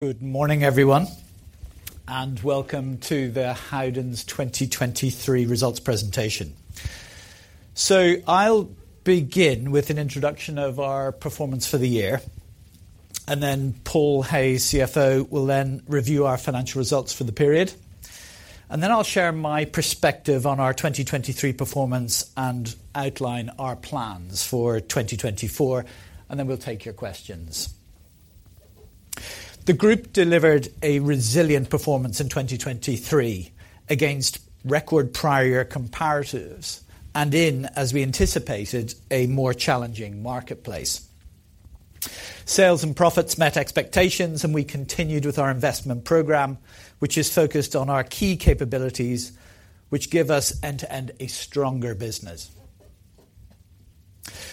Good morning, everyone, and welcome to the Howdens' 2023 results presentation. So I'll begin with an introduction of our performance for the year, and then Paul Hayes, CFO, will then review our financial results for the period. And then I'll share my perspective on our 2023 performance and outline our plans for 2024, and then we'll take your questions. The group delivered a resilient performance in 2023 against record prior comparatives, and in, as we anticipated, a more challenging marketplace. Sales and profits met expectations, and we continued with our investment program, which is focused on our key capabilities, which give us end-to-end a stronger business.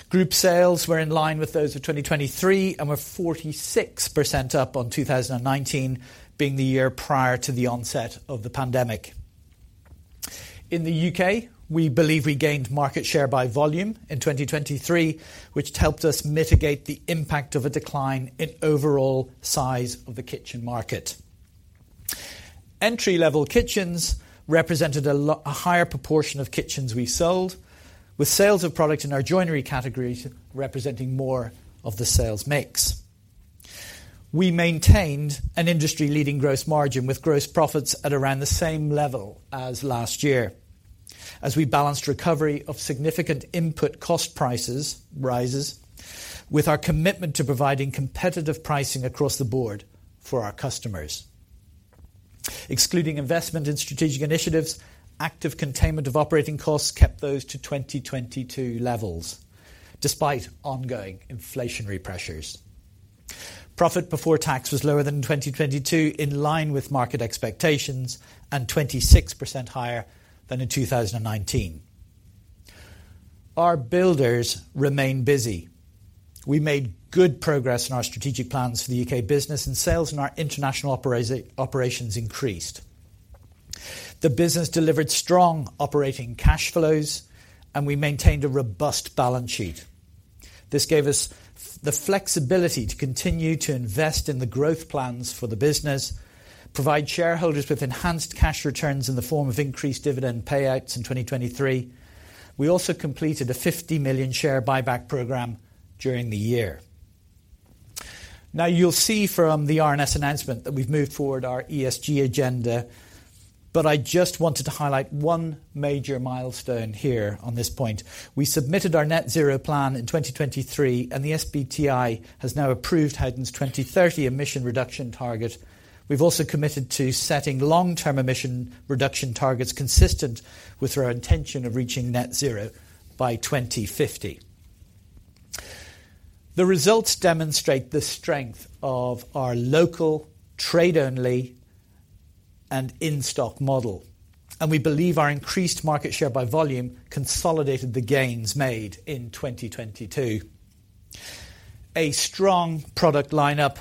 Group sales were in line with those of 2023 and were 46% up on 2019, being the year prior to the onset of the pandemic. In the U.K., we believe we gained market share by volume in 2023, which helped us mitigate the impact of a decline in overall size of the kitchen market. Entry-level kitchens represented a higher proportion of kitchens we sold, with sales of products in our joinery category representing more of the sales mix. We maintained an industry-leading gross margin, with gross profits at around the same level as last year, as we balanced recovery of significant input cost price rises, with our commitment to providing competitive pricing across the board for our customers. Excluding investment in strategic initiatives, active containment of operating costs kept those to 2022 levels, despite ongoing inflationary pressures. Profit before tax was lower than in 2022, in line with market expectations and 26% higher than in 2019. Our builders remain busy. We made good progress in our strategic plans for the U.K. business, and sales in our international operations increased. The business delivered strong operating cash flows, and we maintained a robust balance sheet. This gave us the flexibility to continue to invest in the growth plans for the business, provide shareholders with enhanced cash returns in the form of increased dividend payouts in 2023. We also completed a 50 million share buyback program during the year. Now, you'll see from the RNS announcement that we've moved forward our ESG agenda, but I just wanted to highlight one major milestone here on this point. We submitted our net zero plan in 2023, and the SBTi has now approved Howdens' 2030 emission reduction target. We've also committed to setting long-term emission reduction targets consistent with our intention of reaching net zero by 2050. The results demonstrate the strength of our local, trade-only, and in-stock model, and we believe our increased market share by volume consolidated the gains made in 2022. A strong product lineup,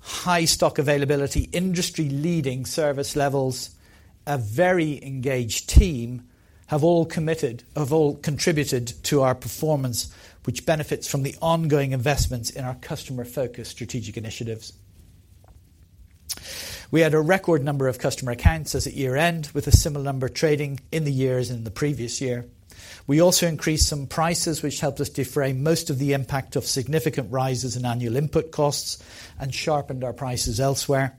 high stock availability, industry-leading service levels, a very engaged team, have all contributed to our performance, which benefits from the ongoing investments in our customer-focused strategic initiatives. We had a record number of customer accounts as at year-end, with a similar number trading in the years and the previous year. We also increased some prices, which helped us defray most of the impact of significant rises in annual input costs and sharpened our prices elsewhere.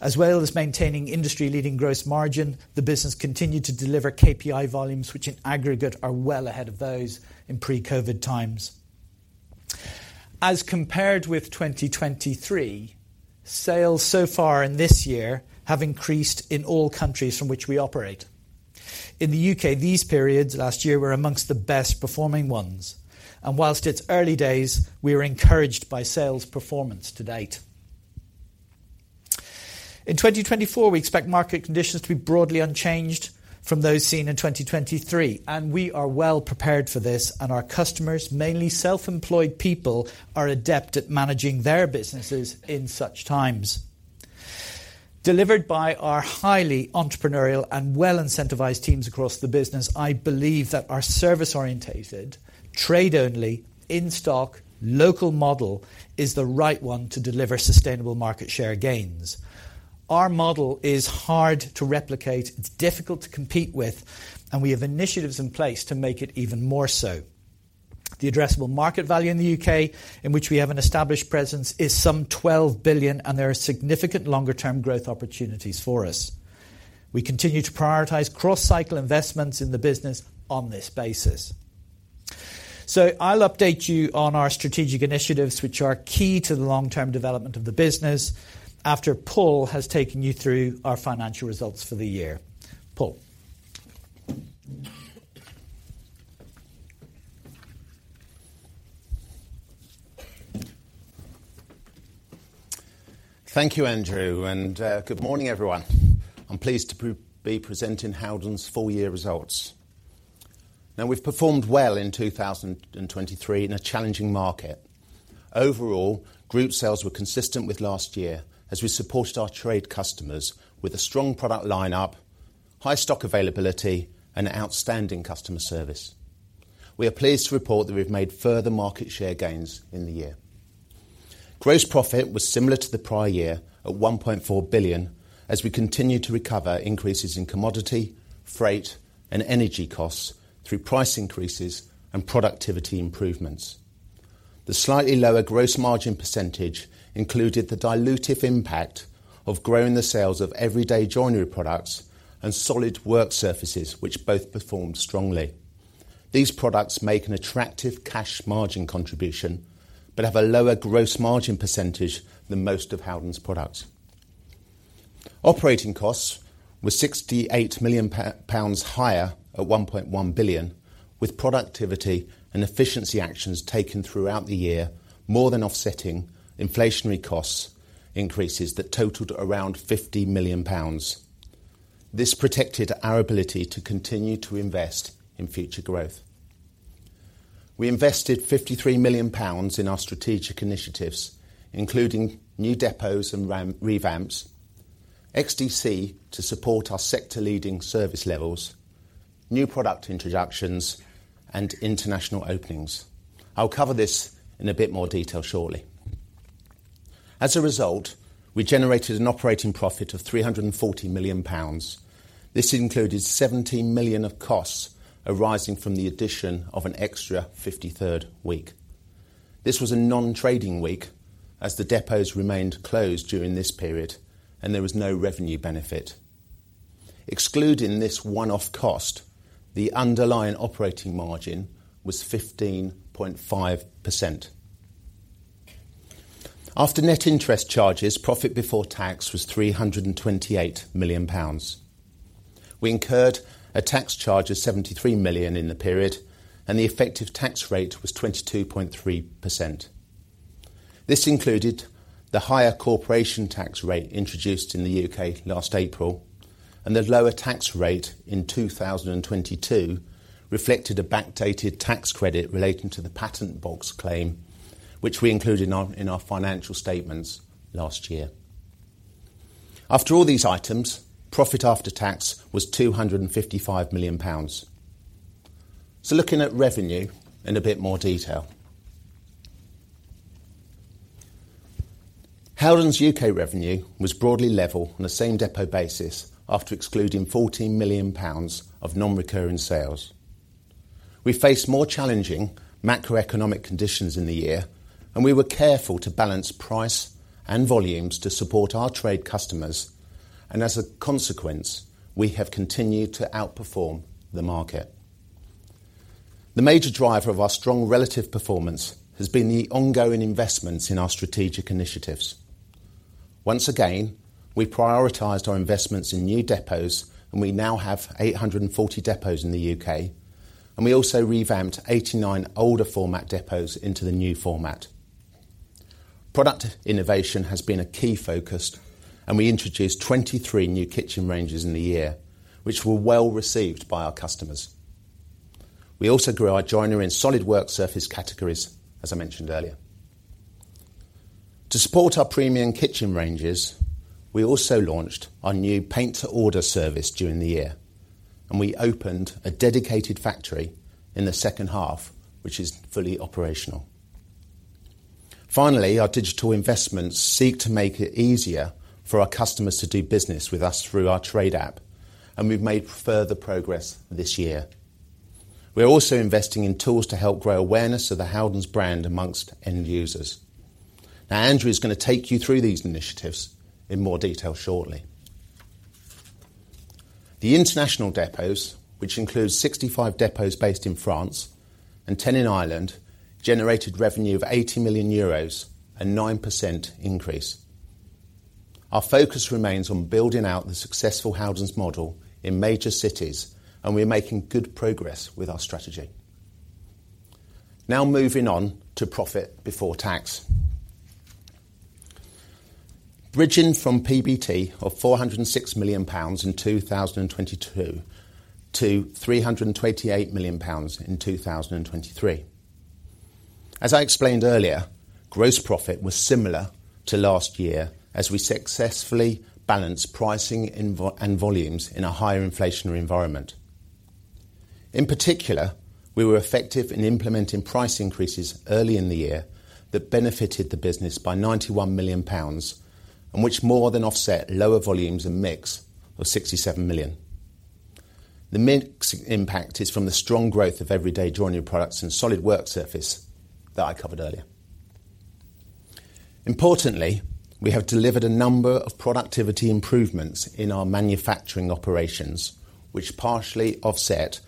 As well as maintaining industry-leading gross margin, the business continued to deliver KPI volumes, which in aggregate, are well ahead of those in pre-COVID times. As compared with 2023, sales so far in this year have increased in all countries from which we operate. In the U.K., these periods last year were among the best performing ones, and while it's early days, we are encouraged by sales performance to date. In 2024, we expect market conditions to be broadly unchanged from those seen in 2023, and we are well prepared for this, and our customers, mainly self-employed people, are adept at managing their businesses in such times. Delivered by our highly entrepreneurial and well-incentivized teams across the business, I believe that our service-oriented, trade-only, in-stock, local model is the right one to deliver sustainable market share gains. Our model is hard to replicate, it's difficult to compete with, and we have initiatives in place to make it even more so. The addressable market value in the U.K., in which we have an established presence, is some 12 billion, and there are significant longer-term growth opportunities for us. We continue to prioritize cross-cycle investments in the business on this basis. I'll update you on our strategic initiatives, which are key to the long-term development of the business after Paul has taken you through our financial results for the year. Paul? Thank you, Andrew, and good morning, everyone. I'm pleased to be presenting Howdens' full-year results. Now, we've performed well in 2023 in a challenging market. Overall, group sales were consistent with last year as we supported our trade customers with a strong product lineup, high stock availability, and outstanding customer service. We are pleased to report that we've made further market share gains in the year. Gross profit was similar to the prior year at 1.4 billion, as we continued to recover increases in commodity, freight, and energy costs through price increases and productivity improvements. The slightly lower gross margin percentage included the dilutive impact of growing the sales of everyday joinery products and solid work surfaces, which both performed strongly. These products make an attractive cash margin contribution, but have a lower gross margin percentage than most of Howdens' products. Operating costs were 68 million pounds higher at 1.1 billion, with productivity and efficiency actions taken throughout the year, more than offsetting inflationary costs increases that totaled around 50 million pounds. This protected our ability to continue to invest in future growth. We invested 53 million pounds in our strategic initiatives, including new depots and revamps, XDC to support our sector-leading service levels, new product introductions, and international openings. I'll cover this in a bit more detail shortly. As a result, we generated an operating profit of 340 million pounds. This included 70 million of costs arising from the addition of an extra 53rd week. This was a non-trading week, as the depots remained closed during this period, and there was no revenue benefit. Excluding this one-off cost, the underlying operating margin was 15.5%. After net interest charges, profit before tax was 328 million pounds. We incurred a tax charge of 73 million in the period, and the effective tax rate was 22.3%. This included the higher corporation tax rate introduced in the U.K. last April, and the lower tax rate in 2022 reflected a backdated tax credit relating to the Patent Box claim, which we included in our financial statements last year. After all these items, profit after tax was GBP 255 million. So looking at revenue in a bit more detail. Howdens' U.K. revenue was broadly level on a same depot basis, after excluding 14 million pounds of non-recurring sales. We faced more challenging macroeconomic conditions in the year, and we were careful to balance price and volumes to support our trade customers, and as a consequence, we have continued to outperform the market. The major driver of our strong relative performance has been the ongoing investments in our strategic initiatives. Once again, we prioritized our investments in new depots, and we now have 840 depots in the U.K., and we also revamped 89 older format depots into the new format. Product innovation has been a key focus, and we introduced 23 new kitchen ranges in the year, which were well received by our customers. We also grew our joinery and solid work surface categories, as I mentioned earlier. To support our premium kitchen ranges, we also launched our new paint to order service during the year, and we opened a dedicated factory in the second half, which is fully operational. Finally, our digital investments seek to make it easier for our customers to do business with us through our trade app, and we've made further progress this year. We are also investing in tools to help grow awareness of the Howdens brand among end users. Now, Andrew is going to take you through these initiatives in more detail shortly. The international depots, which includes 65 depots based in France and 10 in Ireland, generated revenue of 80 million euros, a 9% increase. Our focus remains on building out the successful Howdens model in major cities, and we're making good progress with our strategy. Now moving on to profit before tax. Bridging from PBT of 406 million pounds in 2022 to 328 million pounds in 2023. As I explained earlier, gross profit was similar to last year as we successfully balanced pricing and volumes in a higher inflationary environment. In particular, we were effective in implementing price increases early in the year that benefited the business by 91 million pounds, and which more than offset lower volumes and mix of 67 million. The mix impact is from the strong growth of everyday joinery products and solid work surface that I covered earlier. Importantly, we have delivered a number of productivity improvements in our manufacturing operations, which partially offset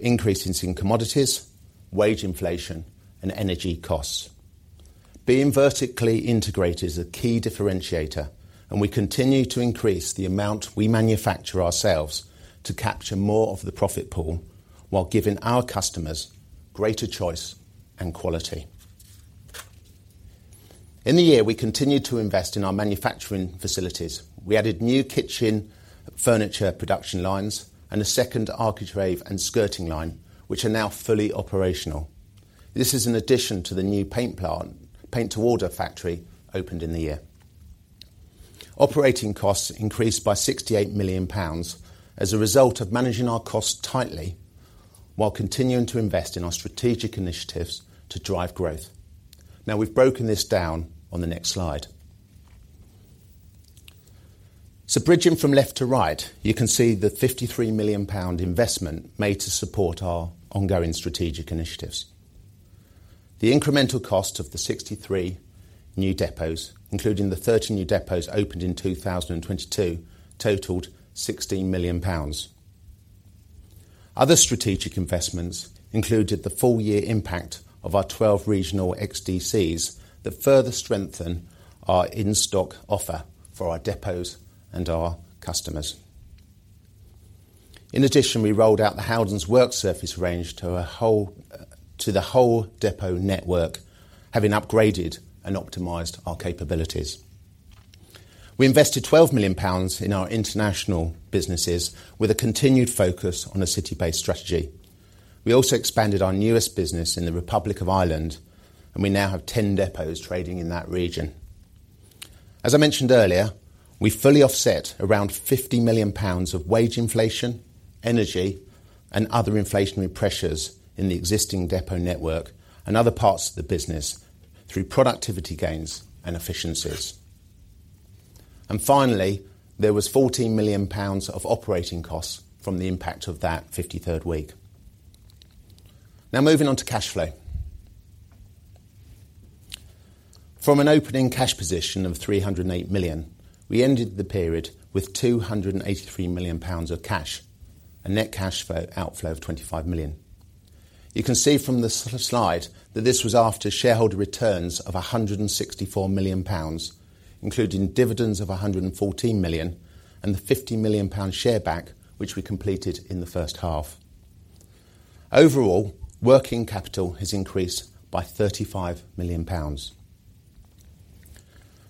increases in commodities, wage inflation, and energy costs. Being vertically integrated is a key differentiator, and we continue to increase the amount we manufacture ourselves to capture more of the profit pool, while giving our customers greater choice and quality. In the year, we continued to invest in our manufacturing facilities. We added new kitchen furniture production lines and a second architrave and skirting line, which are now fully operational. This is an addition to the new paint plant, paint to order factory, opened in the year. Operating costs increased by 68 million pounds as a result of managing our costs tightly, while continuing to invest in our strategic initiatives to drive growth. Now, we've broken this down on the next slide. So bridging from left to right, you can see the 53 million pound investment made to support our ongoing strategic initiatives. The incremental cost of the 63 new depots, including the 30 new depots opened in 2022, totaled GBP 16 million. Other strategic investments included the full year impact of our 12 regional XDCs that further strengthen our in-stock offer for our depots and our customers. In addition, we rolled out the Howdens' work surface range to a whole, to the whole depot network, having upgraded and optimized our capabilities. We invested 12 million pounds in our international businesses, with a continued focus on a city-based strategy. We also expanded our newest business in the Republic of Ireland, and we now have 10 depots trading in that region. As I mentioned earlier, we fully offset around 50 million pounds of wage inflation, energy, and other inflationary pressures in the existing depot network and other parts of the business through productivity gains and efficiencies. And finally, there was 14 million pounds of operating costs from the impact of that 53rd week. Now, moving on to cash flow. From an opening cash position of GBP 308 million, we ended the period with GBP 283 million of cash, a net cash flow outflow of GBP 25 million. You can see from the slide that this was after shareholder returns of GBP 164 million, including dividends of GBP 114 million and the GBP 50 million share buyback, which we completed in the first half. Overall, working capital has increased by 35 million pounds.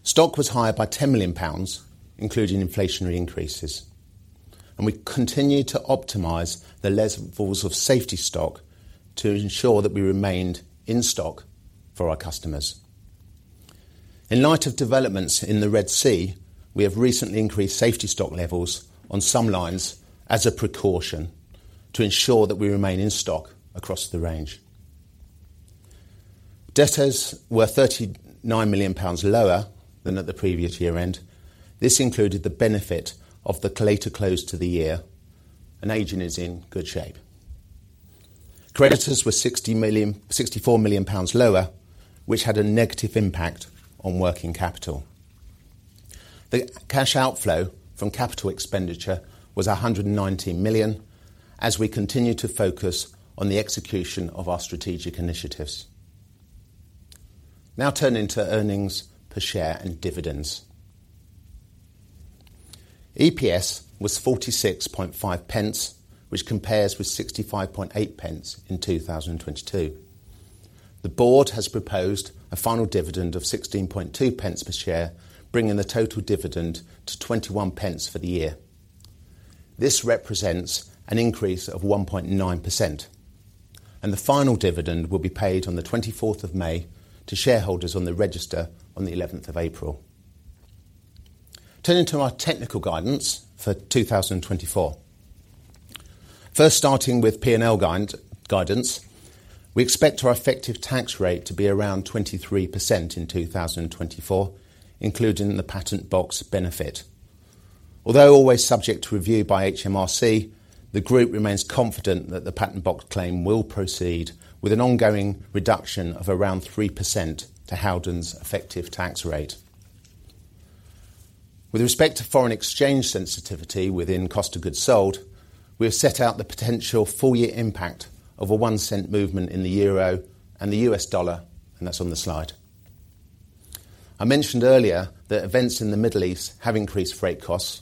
Stock was higher by 10 million pounds, including inflationary increases, and we continued to optimize the levels of safety stock to ensure that we remained in stock for our customers. In light of developments in the Red Sea, we have recently increased safety stock levels on some lines as a precaution to ensure that we remain in stock across the range. Debtors were 39 million pounds lower than at the previous year-end. This included the benefit of the later close to the year, and aging is in good shape. Creditors were 64 million pounds lower, which had a negative impact on working capital. The cash outflow from capital expenditure was 119 million as we continued to focus on the execution of our strategic initiatives. Now, turning to earnings per share and dividends. EPS was 0.465, which compares with 0.658 in 2022. The board has proposed a final dividend of 0.162 per share, bringing the total dividend to 0.21 for the year. This represents an increase of 1.9%, and the final dividend will be paid on the 24th of May to shareholders on the register on the 11th of April. Turning to our technical guidance for 2024. First, starting with P&L guidance, we expect our effective tax rate to be around 23% in 2024, including the Patent Box benefit. Although always subject to review by HMRC, the group remains confident that the Patent Box claim will proceed with an ongoing reduction of around 3% to Howdens' effective tax rate. With respect to foreign exchange sensitivity within cost of goods sold, we have set out the potential full year impact of a one-cent movement in the euro and the U.S. dollar, and that's on the slide. I mentioned earlier that events in the Middle East have increased freight costs,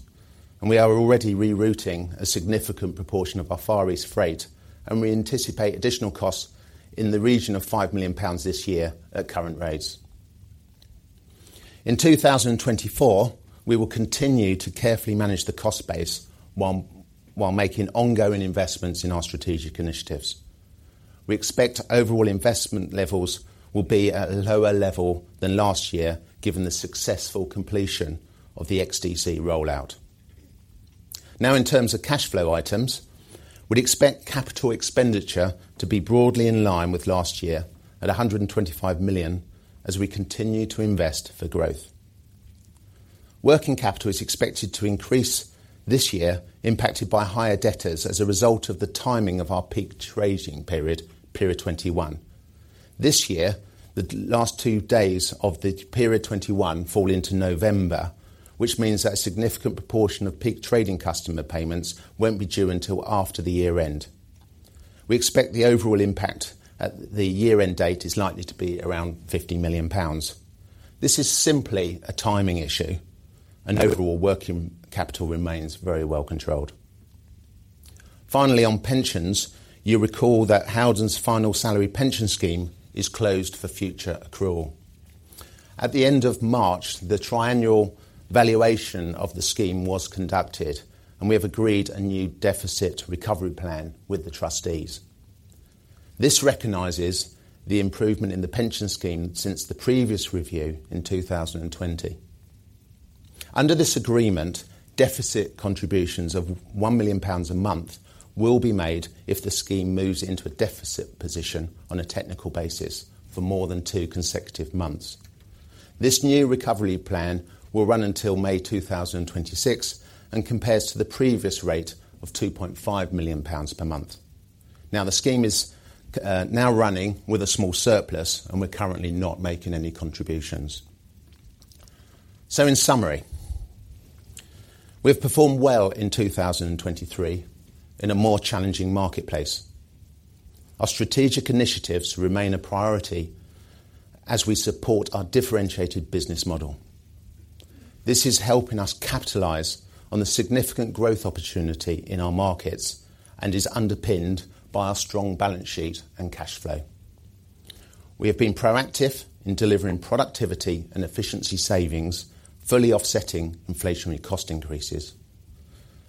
and we are already rerouting a significant proportion of our Far East freight, and we anticipate additional costs in the region of 5 million pounds this year at current rates. In 2024, we will continue to carefully manage the cost base while making ongoing investments in our strategic initiatives. We expect overall investment levels will be at a lower level than last year, given the successful completion of the XDC rollout. Now, in terms of cash flow items, we'd expect capital expenditure to be broadly in line with last year at 125 million as we continue to invest for growth. Working capital is expected to increase this year, impacted by higher debtors as a result of the timing of our peak trading period, Period 21. This year, the last two days of the Period 21 fall into November, which means that a significant proportion of peak trading customer payments won't be due until after the year-end. We expect the overall impact at the year-end date is likely to be around 50 million pounds. This is simply a timing issue, and overall working capital remains very well controlled. Finally, on pensions, you recall that Howdens' final salary pension scheme is closed for future accrual. At the end of March, the triannual valuation of the scheme was conducted, and we have agreed a new deficit recovery plan with the trustees. This recognizes the improvement in the pension scheme since the previous review in 2020. Under this agreement, deficit contributions of 1 million pounds a month will be made if the scheme moves into a deficit position on a technical basis for more than two consecutive months. This new recovery plan will run until May 2026 and compares to the previous rate of 2.5 million pounds per month. Now, the scheme is now running with a small surplus, and we're currently not making any contributions. So in summary, we've performed well in 2023 in a more challenging marketplace. Our strategic initiatives remain a priority as we support our differentiated business model. This is helping us capitalize on the significant growth opportunity in our markets and is underpinned by our strong balance sheet and cash flow. We have been proactive in delivering productivity and efficiency savings, fully offsetting inflationary cost increases,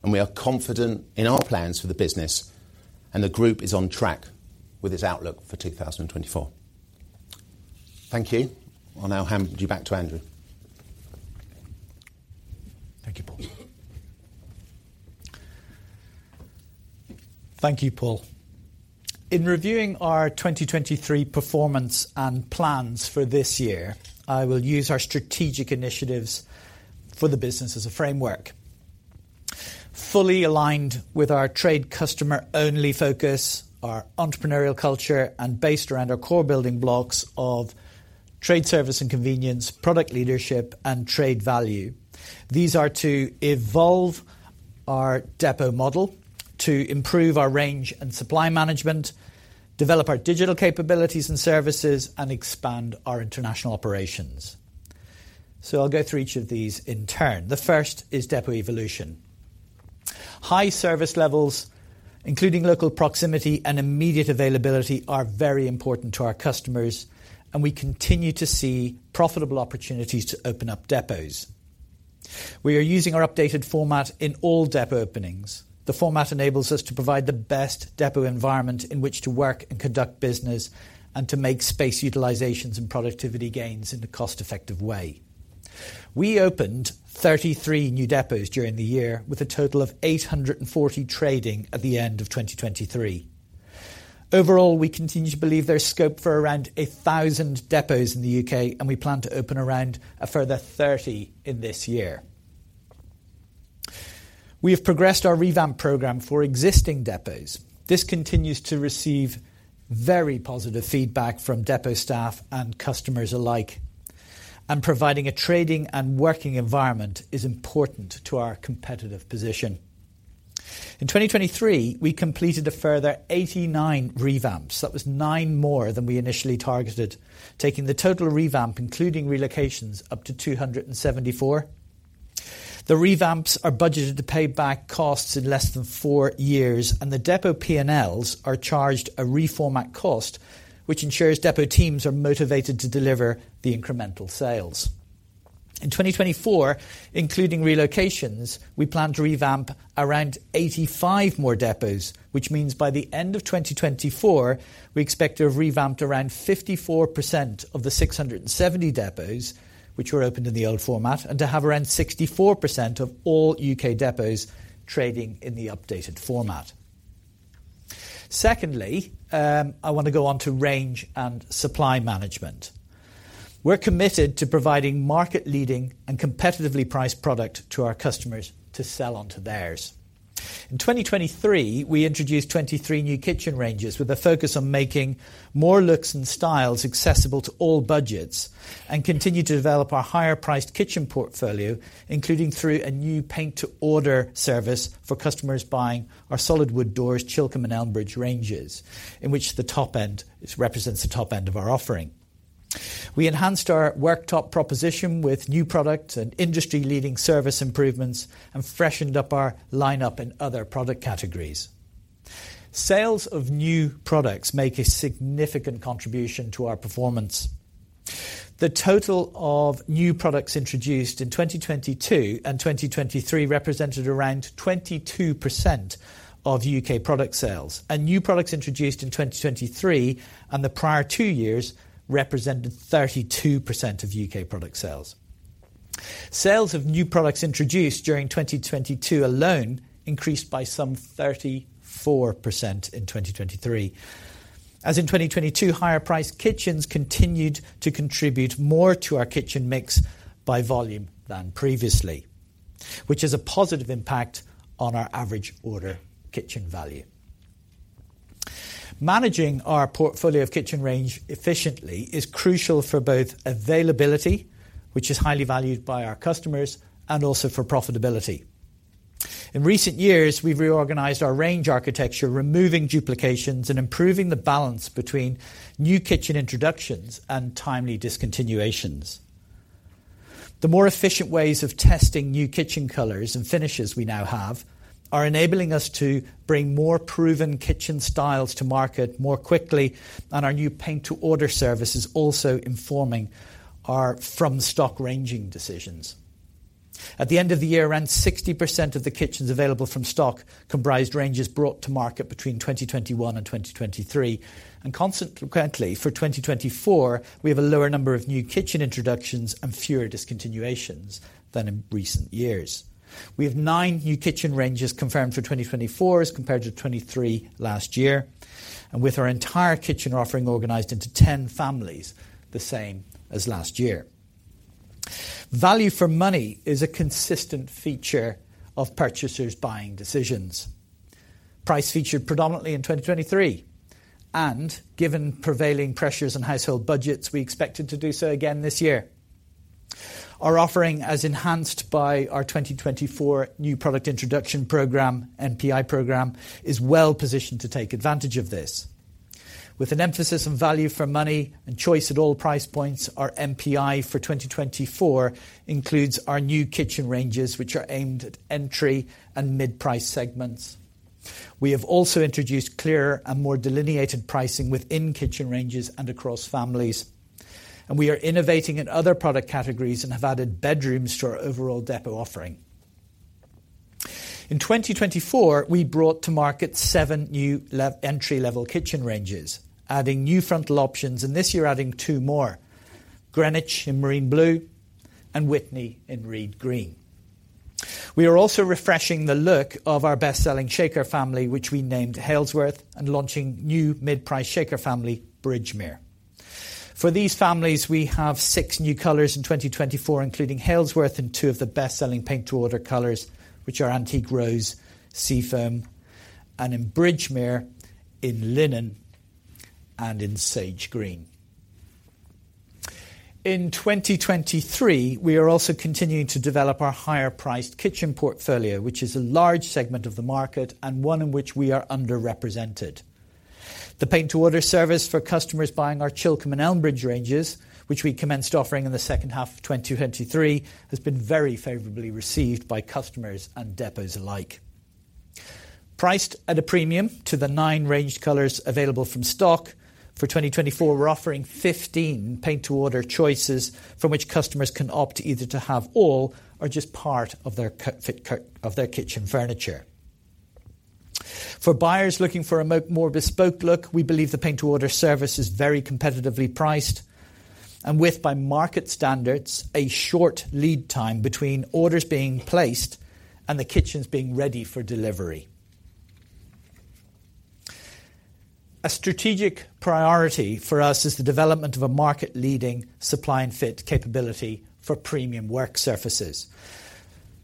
and we are confident in our plans for the business and the group is on track with its outlook for 2024. Thank you. I'll now hand you back to Andrew. Thank you, Paul. Thank you, Paul. In reviewing our 2023 performance and plans for this year, I will use our strategic initiatives for the business as a framework. Fully aligned with our trade customer-only focus, our entrepreneurial culture, and based around our core building blocks of trade, service and convenience, product leadership, and trade value. These are to evolve our depot model, to improve our range and supply management, develop our digital capabilities and services, and expand our international operations. So I'll go through each of these in turn. The first is depot evolution. High service levels, including local proximity and immediate availability, are very important to our customers, and we continue to see profitable opportunities to open up depots. We are using our updated format in all depot openings. The format enables us to provide the best depot environment in which to work and conduct business and to make space utilizations and productivity gains in a cost-effective way. We opened 33 new depots during the year, with a total of 840 trading at the end of 2023. Overall, we continue to believe there's scope for around 1,000 depots in the U.K., and we plan to open around a further 30 in this year. We have progressed our revamp program for existing depots. This continues to receive very positive feedback from depot staff and customers alike, and providing a trading and working environment is important to our competitive position. In 2023, we completed a further 89 revamps. That was nine more than we initially targeted, taking the total revamp, including relocations, up to 274. The revamps are budgeted to pay back costs in less than four years, and the depot P&Ls are charged a reformat cost, which ensures depot teams are motivated to deliver the incremental sales. In 2024, including relocations, we plan to revamp around 85 more depots, which means by the end of 2024, we expect to have revamped around 54% of the 670 depots, which were opened in the old format, and to have around 64% of all U.K. depots trading in the updated format. Secondly, I want to go on to range and supply management. We're committed to providing market-leading and competitively priced product to our customers to sell onto theirs. In 2023, we introduced 23 new kitchen ranges, with a focus on making more looks and styles accessible to all budgets, and continued to develop our higher-priced kitchen portfolio, including through a new paint-to-order service for customers buying our solid wood doors, Chilcomb and Elmbridge ranges, in which the top end, it represents the top end of our offering. We enhanced our worktop proposition with new products and industry-leading service improvements and freshened up our lineup in other product categories. Sales of new products make a significant contribution to our performance. The total of new products introduced in 2022 and 2023 represented around 22% of U.K. product sales, and new products introduced in 2023 and the prior two years represented 32% of U.K. product sales. Sales of new products introduced during 2022 alone increased by some 34% in 2023. As in 2022, higher priced kitchens continued to contribute more to our kitchen mix by volume than previously, which is a positive impact on our average order kitchen value. Managing our portfolio of kitchen range efficiently is crucial for both availability, which is highly valued by our customers, and also for profitability. In recent years, we've reorganized our range architecture, removing duplications and improving the balance between new kitchen introductions and timely discontinuations. The more efficient ways of testing new kitchen colors and finishes we now have are enabling us to bring more proven kitchen styles to market more quickly, and our new paint to order service is also informing our from-stock ranging decisions. At the end of the year, around 60% of the kitchens available from stock comprised ranges brought to market between 2021 and 2023. Consequently, for 2024, we have a lower number of new kitchen introductions and fewer discontinuations than in recent years. We have nine new kitchen ranges confirmed for 2024, as compared to 23 last year, and with our entire kitchen offering organized into 10 families, the same as last year. Value for money is a consistent feature of purchasers' buying decisions. Price featured predominantly in 2023, and given prevailing pressures on household budgets, we expected to do so again this year. Our offering, as enhanced by our 2024 new product introduction program, NPI program, is well positioned to take advantage of this. With an emphasis on value for money and choice at all price points, our NPI for 2024 includes our new kitchen ranges, which are aimed at entry and mid-price segments. We have also introduced clearer and more delineated pricing within kitchen ranges and across families, and we are innovating in other product categories and have added bedrooms to our overall depot offering. In 2024, we brought to market seven new entry-level kitchen ranges, adding new frontal options, and this year adding two more, Greenwich in marine blue and Witney in reed green. We are also refreshing the look of our best-selling shaker family, which we named Halesworth, and launching new mid-price shaker family, Bridgemere. For these families, we have six new colors in 2024, including Halesworth and two of the best-selling paint to order colors, which are antique rose, seafoam, and in Bridgemere, in linen and in sage green. In 2023, we are also continuing to develop our higher-priced kitchen portfolio, which is a large segment of the market and one in which we are underrepresented. The paint to order service for customers buying our Chilcomb and Elmbridge ranges, which we commenced offering in the second half of 2023, has been very favorably received by customers and depots alike. Priced at a premium to the nine range colors available from stock, for 2024, we're offering 15 paint to order choices from which customers can opt either to have all or just part of their cut-fit of their kitchen furniture. For buyers looking for a more bespoke look, we believe the paint to order service is very competitively priced and with, by market standards, a short lead time between orders being placed and the kitchens being ready for delivery. A strategic priority for us is the development of a market-leading supply and fit capability for premium work surfaces.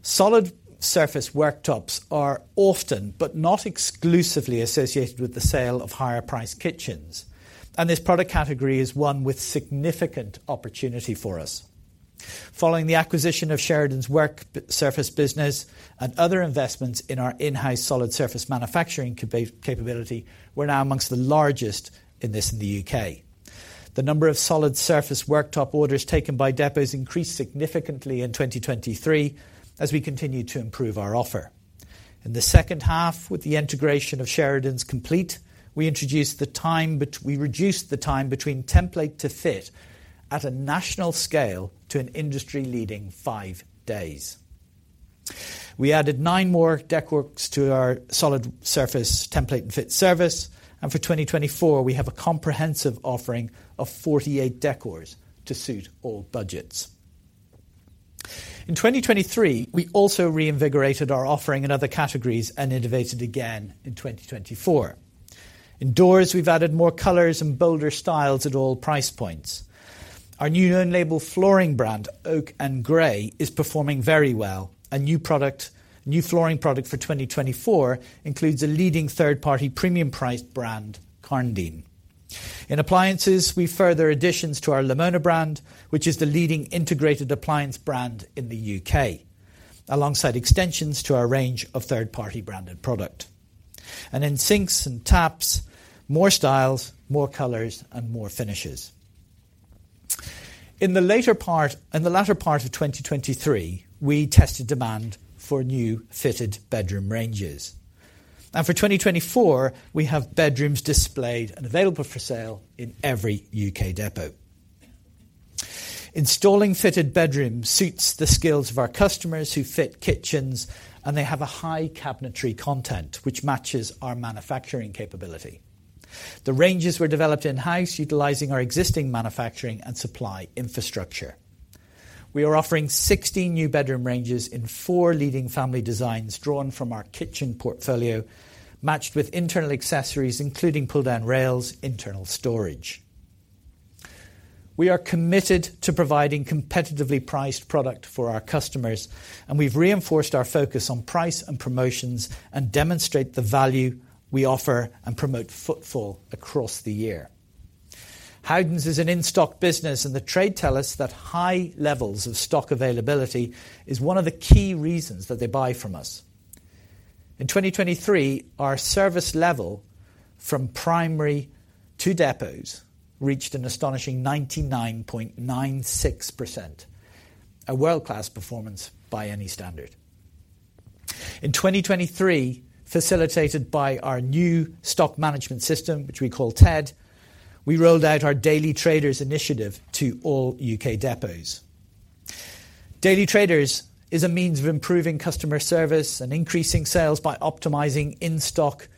Solid surface worktops are often, but not exclusively, associated with the sale of higher-priced kitchens, and this product category is one with significant opportunity for us. Following the acquisition of Sheridans work surface business and other investments in our in-house solid surface manufacturing capability, we're now amongst the largest in this in the U.K.. The number of solid surface worktop orders taken by depots increased significantly in 2023 as we continued to improve our offer. In the second half, with the integration of Sheridans complete, we reduced the time between template to fit at a national scale to an industry-leading five days. We added nine more decors to our solid surface template and fit service, and for 2024, we have a comprehensive offering of 48 decors to suit all budgets. In 2023, we also reinvigorated our offering in other categories and innovated again in 2024. In doors, we've added more colors and bolder styles at all price points. Our new own label flooring brand, Oake and Gray, is performing very well. A new product, new flooring product for 2024 includes a leading third-party premium priced brand, Karndean. In appliances, we further additions to our Lamona brand, which is the leading integrated appliance brand in the U.K., alongside extensions to our range of third-party branded product. And in sinks and taps, more styles, more colors, and more finishes. In the latter part of 2023, we tested demand for new fitted bedroom ranges. And for 2024, we have bedrooms displayed and available for sale in every U.K. depot. Installing fitted bedrooms suits the skills of our customers who fit kitchens, and they have a high cabinetry content, which matches our manufacturing capability. The ranges were developed in-house, utilizing our existing manufacturing and supply infrastructure. We are offering 16 new bedroom ranges in 4 leading family designs drawn from our kitchen portfolio, matched with internal accessories, including pull-down rails, internal storage. We are committed to providing competitively priced product for our customers, and we've reinforced our focus on price and promotions and demonstrate the value we offer and promote footfall across the year. Howdens is an in-stock business, and the trade tell us that high levels of stock availability is one of the key reasons that they buy from us. In 2023, our service level from primary to depots reached an astonishing 99.96%, a world-class performance by any standard. In 2023, facilitated by our new stock management system, which we call TED, we rolled out our Daily Traders initiative to all U.K. depots. Daily Traders is a means of improving customer service and increasing sales by optimizing in-stock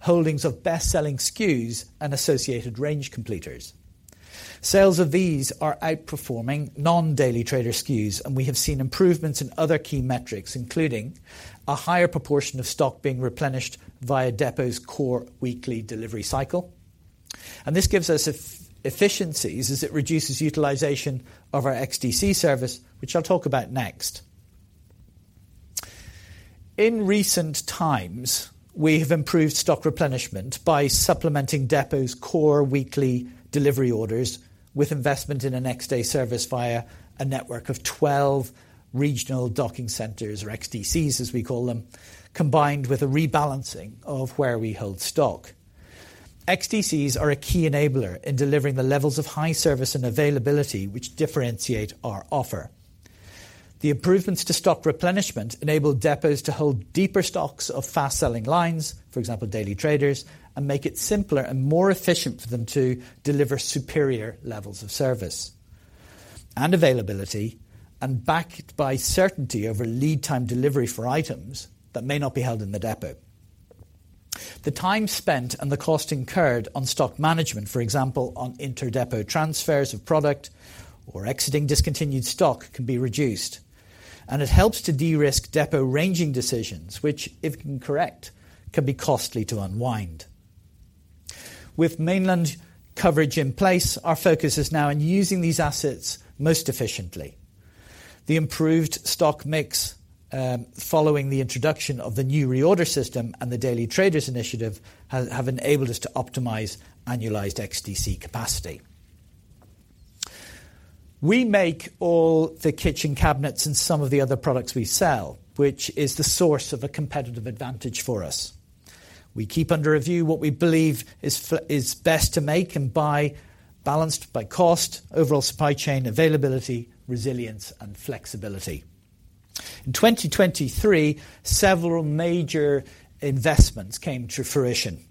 holdings of best-selling SKUs and associated range completers. Sales of these are outperforming non-Daily Trader SKUs, and we have seen improvements in other key metrics, including a higher proportion of stock being replenished via depot's core weekly delivery cycle. This gives us efficiencies as it reduces utilization of our XDC service, which I'll talk about next. In recent times, we have improved stock replenishment by supplementing depot's core weekly delivery orders with investment in a next day service via a network of 12 regional docking centers, or XDCs, as we call them, combined with a rebalancing of where we hold stock. XDCs are a key enabler in delivering the levels of high service and availability, which differentiate our offer. The improvements to stock replenishment enable depots to hold deeper stocks of fast-selling lines, for example, Daily Traders, and make it simpler and more efficient for them to deliver superior levels of service and availability, and backed by certainty over lead time delivery for items that may not be held in the depot. The time spent and the cost incurred on stock management, for example, on inter-depot transfers of product or exiting discontinued stock, can be reduced, and it helps to de-risk depot ranging decisions, which, if incorrect, can be costly to unwind. With mainland coverage in place, our focus is now on using these assets most efficiently. The improved stock mix, following the introduction of the new reorder system and the Daily Traders initiative, have enabled us to optimize annualized XDC capacity. We make all the kitchen cabinets and some of the other products we sell, which is the source of a competitive advantage for us. We keep under review what we believe is best to make and buy, balanced by cost, overall supply chain availability, resilience, and flexibility. In 2023, several major investments came to fruition.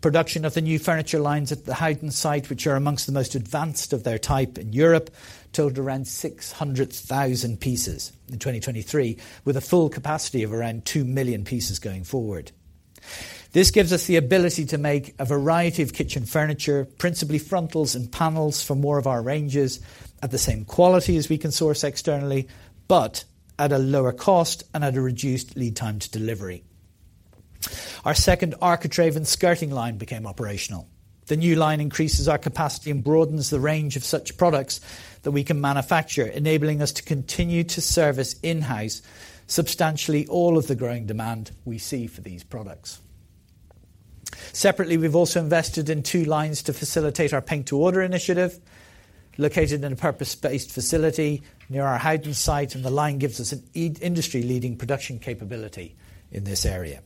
Production of the new furniture lines at the Howden site, which are among the most advanced of their type in Europe, totaled around 600,000 pieces in 2023, with a full capacity of around 2 million pieces going forward. This gives us the ability to make a variety of kitchen furniture, principally frontals and panels, for more of our ranges at the same quality as we can source externally, but at a lower cost and at a reduced lead time to delivery. Our second architrave and skirting line became operational. The new line increases our capacity and broadens the range of such products that we can manufacture, enabling us to continue to service in-house substantially all of the growing demand we see for these products. Separately, we've also invested in two lines to facilitate our paint to order initiative, located in a purpose-built facility near our Howden site, and the line gives us an industry-leading production capability in this area.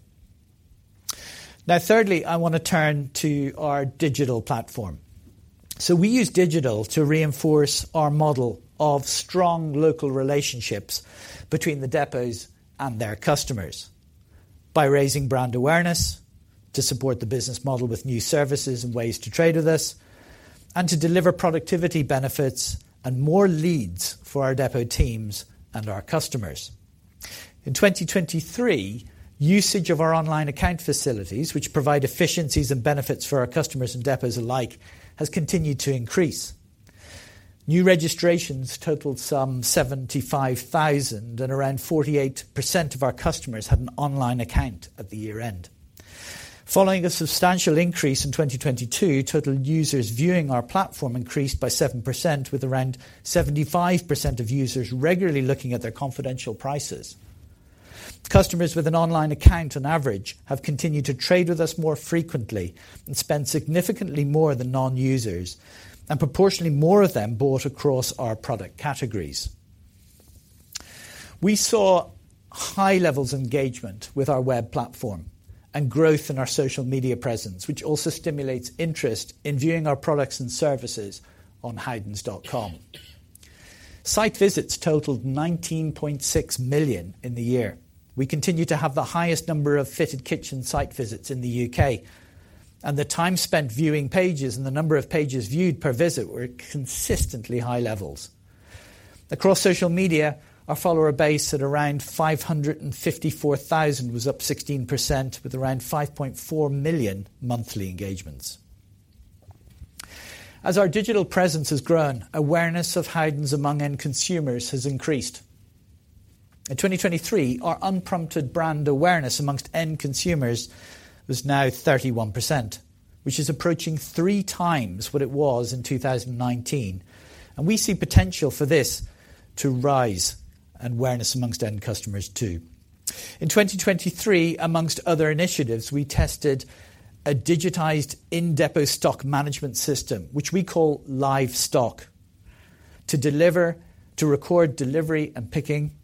Now, thirdly, I want to turn to our digital platform. So we use digital to reinforce our model of strong local relationships between the depots and their customers by raising brand awareness, to support the business model with new services and ways to trade with us, and to deliver productivity benefits and more leads for our depot teams and our customers. In 2023, usage of our online account facilities, which provide efficiencies and benefits for our customers and depots alike, has continued to increase. New registrations totaled some 75,000, and around 48% of our customers had an online account at the year-end. Following a substantial increase in 2022, total users viewing our platform increased by 7%, with around 75% of users regularly looking at their confidential prices. Customers with an online account, on average, have continued to trade with us more frequently and spend significantly more than non-users, and proportionally more of them bought across our product categories. We saw high levels of engagement with our web platform and growth in our social media presence, which also stimulates interest in viewing our products and services on howdens.com. Site visits totaled 19.6 million in the year. We continue to have the highest number of fitted kitchen site visits in the U.K., and the time spent viewing pages and the number of pages viewed per visit were at consistently high levels. Across social media, our follower base at around 554,000 was up 16%, with around 5.4 million monthly engagements. As our digital presence has grown, awareness of Howdens among end consumers has increased. In 2023, our unprompted brand awareness among end consumers was now 31%, which is approaching three times what it was in 2019, and we see potential for this to rise and awareness among end customers, too. In 2023, among other initiatives, we tested a digitized in-depot stock management system, which we call Live-Stock, to deliver to record delivery and picking,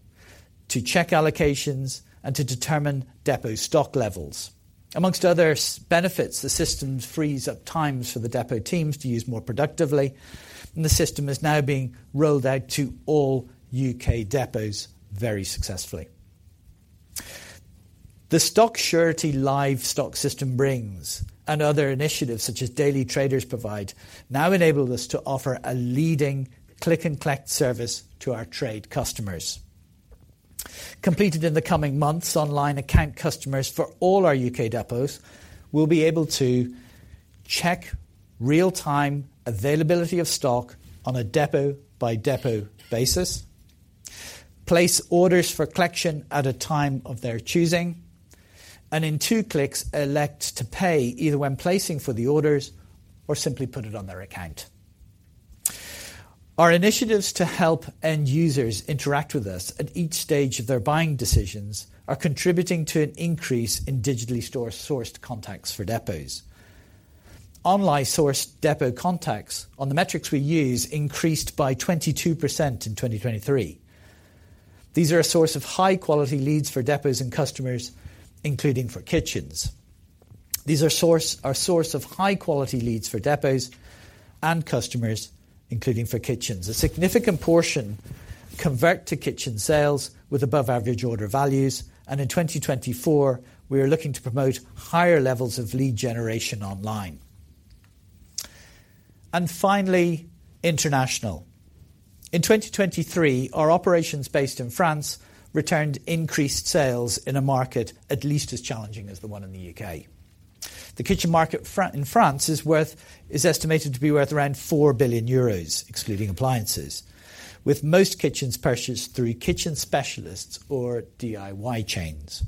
to check allocations, and to determine depot stock levels. Among other benefits, the system frees up time for the depot teams to use more productively, and the system is now being rolled out to all U.K. depots very successfully. The stock surety Live-Stock system brings and other initiatives, such as Daily Traders provide, now enable us to offer a leading click-and-collect service to our trade customers. Completed in the coming months, online account customers for all our U.K. depots will be able to check real-time availability of stock on a depot-by-depot basis, place orders for collection at a time of their choosing, and in two clicks, elect to pay either when placing for the orders or simply put it on their account. Our initiatives to help end users interact with us at each stage of their buying decisions are contributing to an increase in digitally store-sourced contacts for depots. Online source depot contacts on the metrics we use increased by 22% in 2023. These are a source of high-quality leads for depots and customers, including for kitchens. A significant portion convert to kitchen sales with above-average order values, and in 2024, we are looking to promote higher levels of lead generation online. Finally, international. In 2023, our operations based in France returned increased sales in a market at least as challenging as the one in the U.K. The kitchen market in France is worth, is estimated to be worth around 4 billion euros, excluding appliances, with most kitchens purchased through kitchen specialists or DIY chains.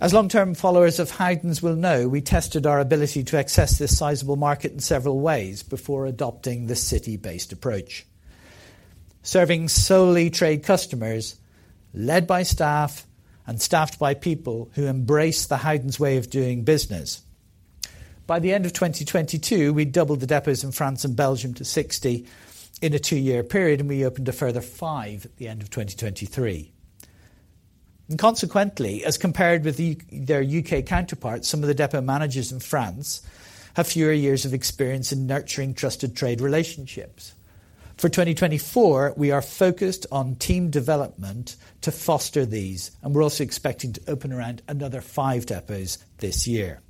As long-term followers of Howdens will know, we tested our ability to access this sizable market in several ways before adopting the city-based approach. Serving solely trade customers, led by staff and staffed by people who embrace the Howdens way of doing business. By the end of 2022, we doubled the depots in France and Belgium to 60 in a two-year period, and we opened a further five at the end of 2023. Consequently, as compared with the, their U.K. counterparts, some of the depot managers in France have fewer years of experience in nurturing trusted trade relationships. For 2024, we are focused on team development to foster these, and we're also expecting to open around another five depots this year.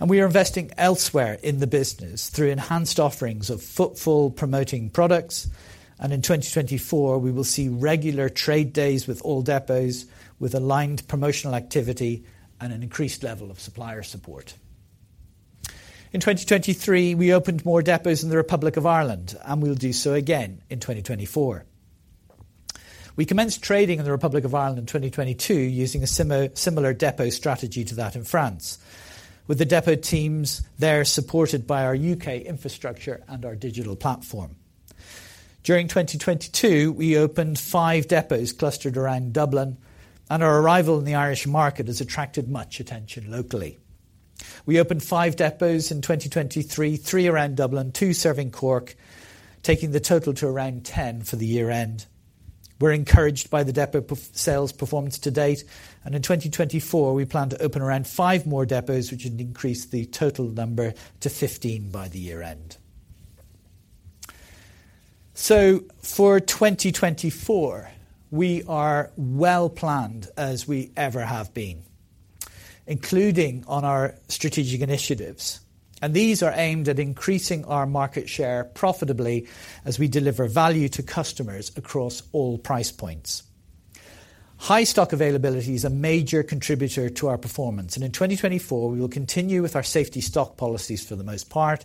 We are investing elsewhere in the business through enhanced offerings of footfall, promoting products, and in 2024, we will see regular trade days with all depots, with aligned promotional activity and an increased level of supplier support. In 2023, we opened more depots in the Republic of Ireland, and we'll do so again in 2024. We commenced trading in the Republic of Ireland in 2022, using a similar depot strategy to that in France, with the depot teams there supported by our U.K. infrastructure and our digital platform. During 2022, we opened 5 depots clustered around Dublin, and our arrival in the Irish market has attracted much attention locally. We opened five depots in 2023, three around Dublin, two serving Cork, taking the total to around 10 for the year-end. We're encouraged by the depot sales performance to date, and in 2024, we plan to open around five more depots, which would increase the total number to 15 by the year-end. For 2024, we are well-planned as we ever have been, including on our strategic initiatives, and these are aimed at increasing our market share profitably as we deliver value to customers across all price points. High stock availability is a major contributor to our performance, and in 2024, we will continue with our safety stock policies for the most part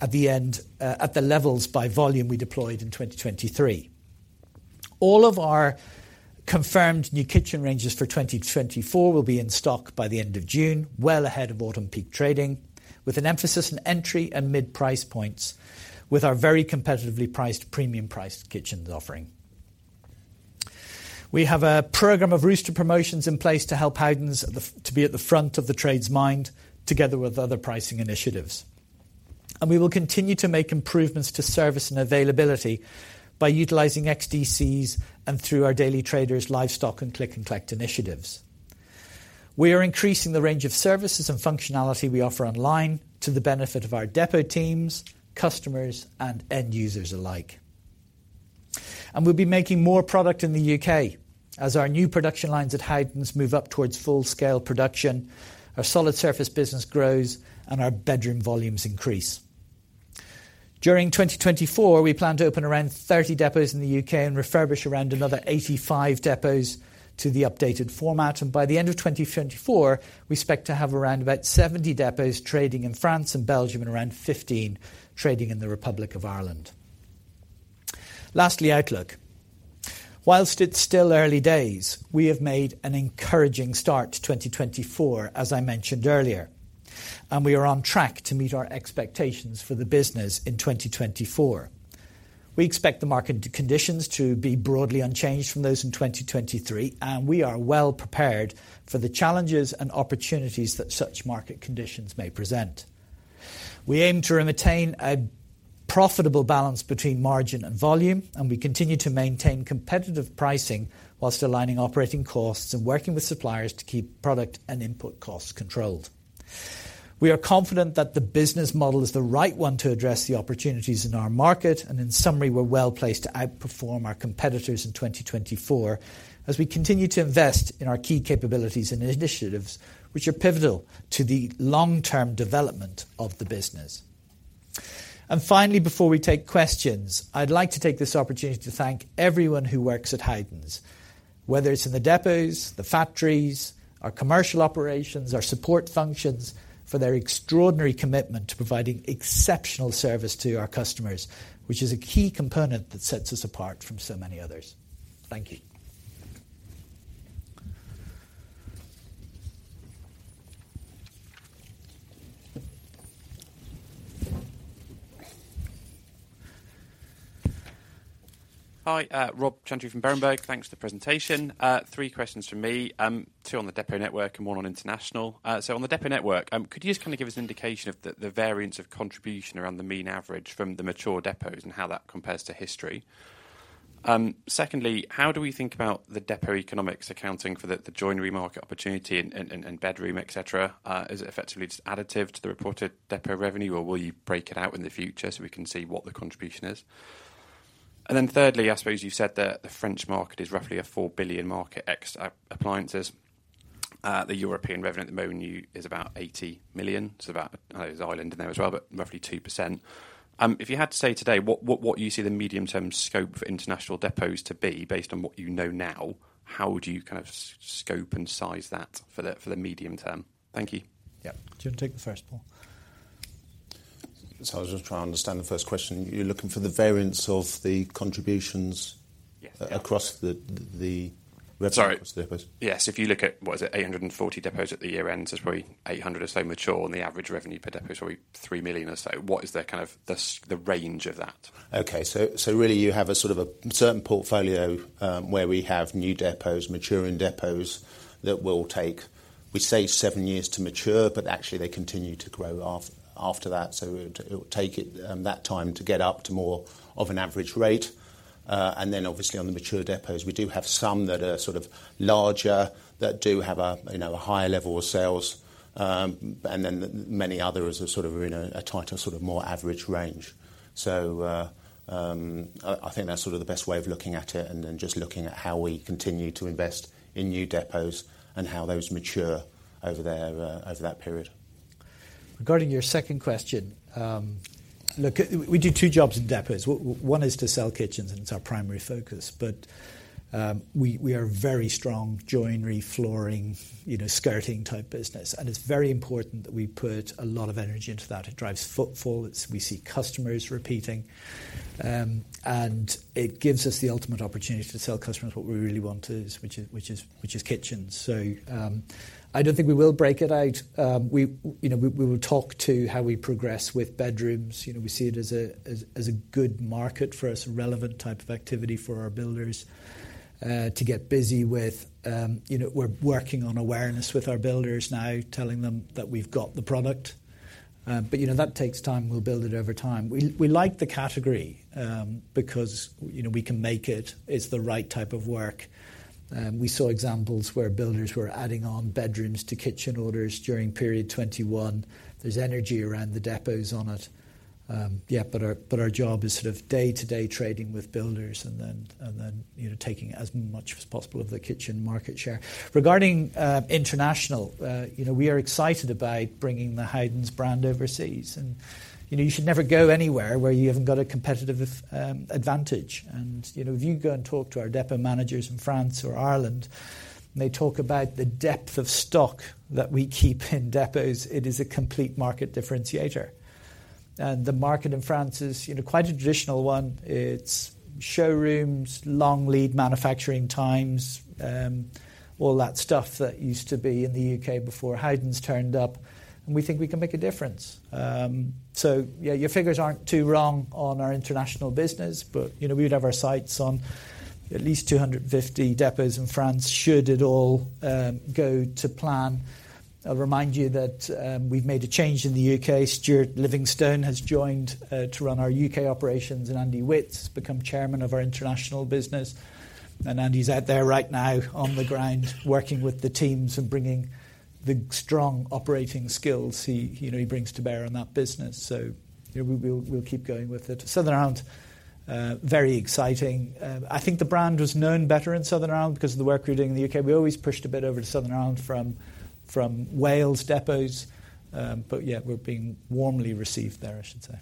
at the end at the levels by volume we deployed in 2023. All of our confirmed new kitchen ranges for 2024 will be in stock by the end of June, well ahead of autumn peak trading, with an emphasis on entry and mid-price points, with our very competitively priced, premium-priced kitchens offering. We have a program of roster promotions in place to help Howdens to be at the front of the trade's mind, together with other pricing initiatives. We will continue to make improvements to service and availability by utilizing XDCs and through our Daily Traders, Live Stock, and click-and-collect initiatives. We are increasing the range of services and functionality we offer online to the benefit of our depot teams, customers, and end users alike. We'll be making more product in the U.K. as our new production lines at Howdens move up towards full-scale production, our solid surface business grows, and our bedroom volumes increase. During 2024, we plan to open around 30 depots in the U.K. and refurbish around another 85 depots to the updated format, and by the end of 2024, we expect to have around about 70 depots trading in France and Belgium, and around 15 trading in the Republic of Ireland. Lastly, outlook. While it's still early days, we have made an encouraging start to 2024, as I mentioned earlier, and we are on track to meet our expectations for the business in 2024. We expect the market conditions to be broadly unchanged from those in 2023, and we are well prepared for the challenges and opportunities that such market conditions may present. We aim to maintain a profitable balance between margin and volume, and we continue to maintain competitive pricing while aligning operating costs and working with suppliers to keep product and input costs controlled. We are confident that the business model is the right one to address the opportunities in our market, and in summary, we're well-placed to outperform our competitors in 2024 as we continue to invest in our key capabilities and initiatives, which are pivotal to the long-term development of the business. Finally, before we take questions, I'd like to take this opportunity to thank everyone who works at Howdens, whether it's in the depots, the factories, our commercial operations, our support functions, for their extraordinary commitment to providing exceptional service to our customers, which is a key component that sets us apart from so many others. Thank you. Hi, Rob Chantry from Berenberg. Thanks for the presentation. Three questions from me, two on the depot network and one on international. So on the depot network, could you just kind of give us an indication of the variance of contribution around the mean average from the mature depots and how that compares to history? Secondly, how do we think about the depot economics accounting for the joinery market opportunity and bedroom, et cetera? Is it effectively just additive to the reported depot revenue, or will you break it out in the future so we can see what the contribution is? And then thirdly, I suppose you've said that the French market is roughly a 4 billion market ex-appliances. The European revenue at the moment is about 80 million, so about, there's Ireland in there as well, but roughly 2%. If you had to say today, what you see the medium-term scope for international depots to be based on what you know now, how would you kind of scope and size that for the medium term? Thank you. Yeah. Do you want to take the first, Paul? I'll just try and understand the first question. You're looking for the variance of the contributions- Yes. - across the revenue- Sorry. Depots? Yes. If you look at, what is it? 840 depots at the year end, there's probably 800 or so mature, and the average revenue per depot is probably 3 million or so. What is the kind of the range of that? Okay. So really, you have a sort of a certain portfolio, where we have new depots, maturing depots, that will take, we say seven years to mature, but actually they continue to grow after that. So it will take it, that time to get up to more of an average rate. And then obviously on the mature depots, we do have some that are sort of larger, that do have a, you know, a higher level of sales, and then many others are sort of in a tighter, sort of more average range. So, I think that's sort of the best way of looking at it and then just looking at how we continue to invest in new depots and how those mature over there, over that period. Regarding your second question, look, we do two jobs in depots. One is to sell kitchens, and it's our primary focus, but, we are a very strong joinery, flooring, you know, skirting-type business, and it's very important that we put a lot of energy into that. It drives footfall. It's. We see customers repeating, and it gives us the ultimate opportunity to sell customers what we really want to, which is kitchens. So, I don't think we will break it out. We, you know, we will talk to how we progress with bedrooms. You know, we see it as a good market for us, a relevant type of activity for our builders, to get busy with. You know, we're working on awareness with our builders now, telling them that we've got the product, but you know, that takes time. We'll build it over time. We like the category, because, you know, we can make it. It's the right type of work. We saw examples where builders were adding on bedrooms to kitchen orders during Period 21. There's energy around the depots on it. Yeah, but our job is sort of day-to-day trading with builders and then, you know, taking as much as possible of the kitchen market share. Regarding international, you know, we are excited about bringing the Howdens brand overseas and, you know, you should never go anywhere where you haven't got a competitive advantage. And, you know, if you go and talk to our depot managers in France or Ireland, they talk about the depth of stock that we keep in depots. It is a complete market differentiator. And the market in France is, you know, quite a traditional one. It's showrooms, long lead manufacturing times, all that stuff that used to be in the U.K. before Howdens turned up, and we think we can make a difference. So yeah, your figures aren't too wrong on our international business, but you know, we'd have our sights on at least 250 depots in France, should it all, go to plan. I'll remind you that, we've made a change in the U.K. Stuart Livingstone has joined, to run our U.K. operations, and Andy Witts become Chairman of our international business. Andy's out there right now on the ground, working with the teams and bringing the strong operating skills he, you know, he brings to bear on that business. So yeah, we'll keep going with it. Southern Ireland, very exciting. I think the brand was known better in Southern Ireland because of the work we're doing in the U.K. We always pushed a bit over to Southern Ireland from Wales depots, but yeah, we're being warmly received there, I should say.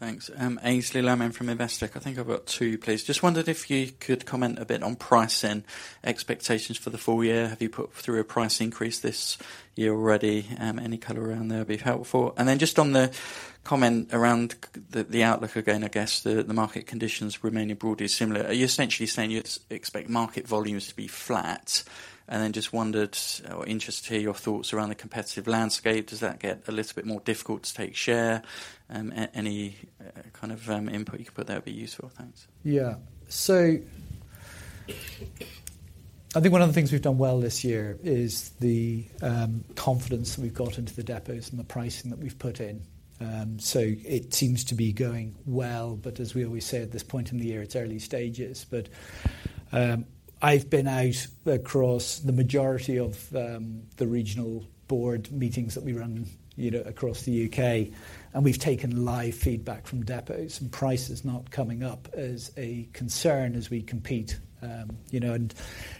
Thanks. Aynsley Lammin from Investec. I think I've got two, please. Just wondered if you could comment a bit on pricing expectations for the full year. Have you put through a price increase this year already? Any color around there would be helpful. And then just on the comment around the outlook again, I guess the market conditions remaining broadly similar. Are you essentially saying you expect market volumes to be flat? And then just wondered or interested to hear your thoughts around the competitive landscape. Does that get a little bit more difficult to take share? Any kind of input you could put there would be useful. Thanks. Yeah. So I think one of the things we've done well this year is the confidence that we've got into the depots and the pricing that we've put in. So it seems to be going well, but as we always say, at this point in the year, it's early stages. But I've been out across the majority of the regional board meetings that we run, you know, across the U.K., and we've taken live feedback from depots, and price is not coming up as a concern as we compete. You know, and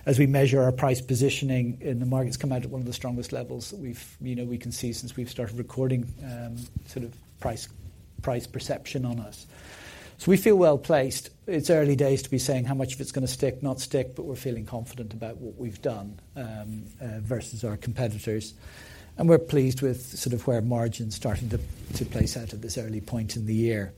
as we measure our price positioning in the markets, come out at one of the strongest levels that we've, you know, we can see since we've started recording, sort of, price, price perception on us. So we feel well placed. It's early days to be saying how much of it's gonna stick, not stick, but we're feeling confident about what we've done, versus our competitors. And we're pleased with sort of where margin's starting to place out at this early point in the year.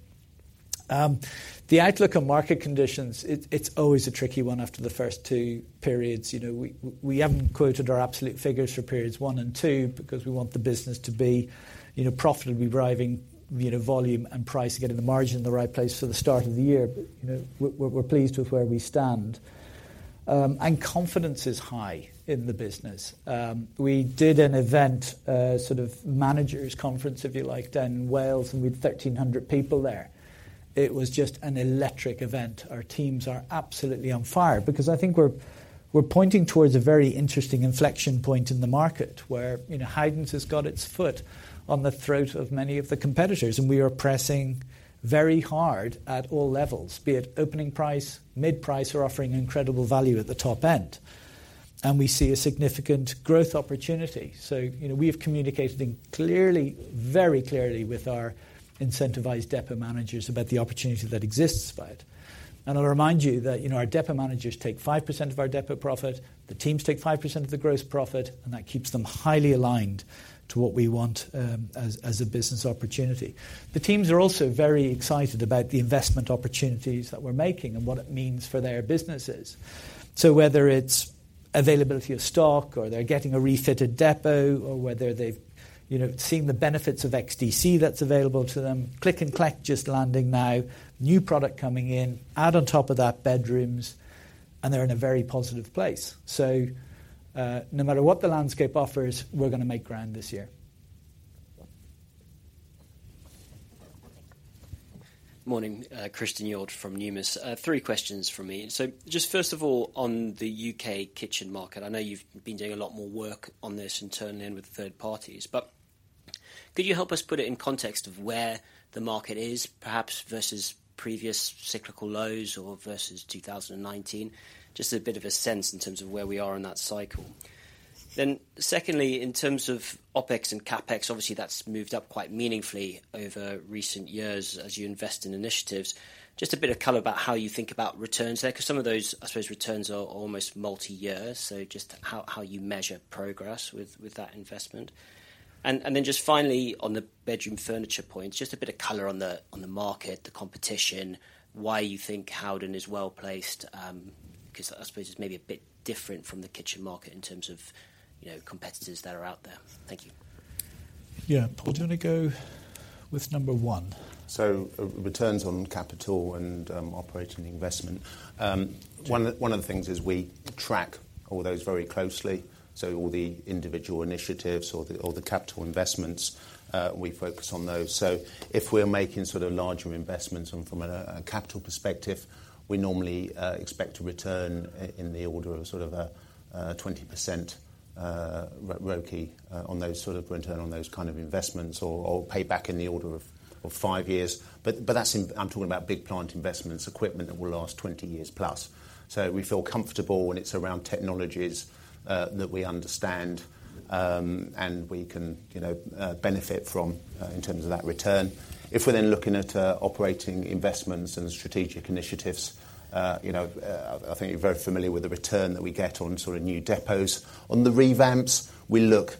The outlook on market conditions, it's always a tricky one after the first two periods. You know, we haven't quoted our absolute figures for periods one and two because we want the business to be, you know, profitably deriving, you know, volume and price, and getting the margin in the right place for the start of the year. But, you know, we're pleased with where we stand. And confidence is high in the business. We did an event, a sort of managers conference, if you like, down in Wales, and we had 1,300 people there. It was just an electric event. Our teams are absolutely on fire because I think we're pointing towards a very interesting inflection point in the market where, you know, Howdens has got its foot on the throat of many of the competitors, and we are pressing very hard at all levels, be it opening price, mid price, or offering incredible value at the top end, and we see a significant growth opportunity. So, you know, we have communicated clearly, very clearly with our incentivized depot managers about the opportunity that exists for it. And I'll remind you that, you know, our depot managers take 5% of our depot profit, the teams take 5% of the gross profit, and that keeps them highly aligned to what we want, as a business opportunity. The teams are also very excited about the investment opportunities that we're making and what it means for their businesses. So whether it's availability of stock or they're getting a refitted depot or whether they've, you know, seen the benefits of XDC that's available to them, click and collect just landing now, new product coming in, add on top of that, bedrooms, and they're in a very positive place. So, no matter what the landscape offers, we're gonna make ground this year. Morning. Christen Hjorth from Numis. Three questions from me. So just first of all, on the U.K. kitchen market, I know you've been doing a lot more work on this internally and with third parties, but could you help us put it in context of where the market is, perhaps versus previous cyclical lows or versus 2019? Just a bit of a sense in terms of where we are in that cycle. Then secondly, in terms of OpEx and CapEx, obviously, that's moved up quite meaningfully over recent years as you invest in initiatives. Just a bit of color about how you think about returns there, 'cause some of those, I suppose, returns are almost multi-year, so just how, how you measure progress with, with that investment. Then just finally, on the bedroom furniture point, just a bit of color on the market, the competition, why you think Howden is well-placed, 'cause I suppose it's maybe a bit different from the kitchen market in terms of, you know, competitors that are out there. Thank you. Yeah. Paul, do you want to go with number one? So returns on capital and operating investment. One of the things is we track all those very closely. So all the individual initiatives or the capital investments, we focus on those. So if we're making sort of larger investments from a capital perspective, we normally expect to return in the order of sort of 20% ROE on those sort of return on those kind of investments, or pay back in the order of five years. But that's in... I'm talking about big plant investments, equipment that will last 20+ years. So we feel comfortable when it's around technologies that we understand, and we can, you know, benefit from in terms of that return. If we're then looking at operating investments and strategic initiatives, you know, I think you're very familiar with the return that we get on sort of new depots. On the revamps, we look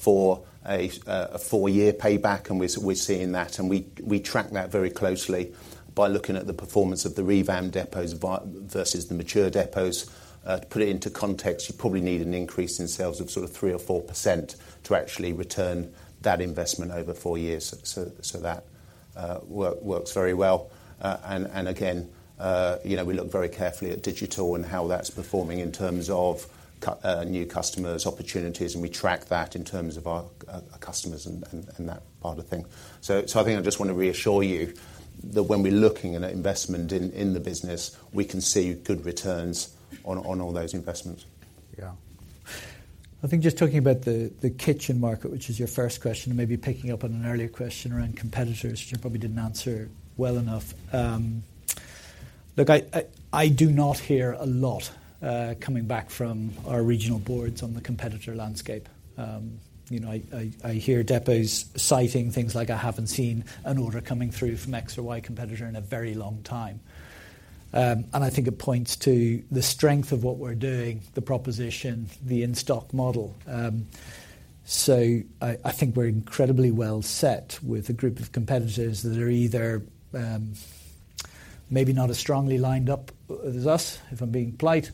for a four-year payback, and we're seeing that, and we track that very closely by looking at the performance of the revamped depots versus the mature depots. To put it into context, you probably need an increase in sales of sort of 3% or 4% to actually return that investment over four years. So that works very well. And again, you know, we look very carefully at digital and how that's performing in terms of new customers, opportunities, and we track that in terms of our customers and that part of things. So, I think I just want to reassure you that when we're looking at investment in the business, we can see good returns on all those investments. Yeah. I think just talking about the kitchen market, which is your first question, and maybe picking up on an earlier question around competitors, which I probably didn't answer well enough. Look, I do not hear a lot coming back from our regional boards on the competitor landscape. You know, I hear depots citing things like, I haven't seen an order coming through from X or Y competitor in a very long time. And I think it points to the strength of what we're doing, the proposition, the in-stock model. So I think we're incredibly well set with a group of competitors that are either maybe not as strongly lined up as us, if I'm being polite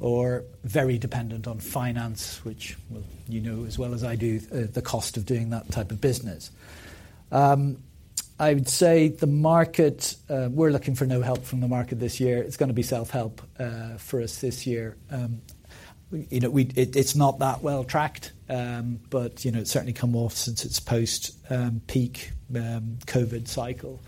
or very dependent on finance, which, well, you know as well as I do, the cost of doing that type of business. I would say the market, we're looking for no help from the market this year. It's gonna be self-help, for us this year. You know, we-- it, it's not that well tracked, but, you know, it's certainly come off since its post-peak COVID cycle.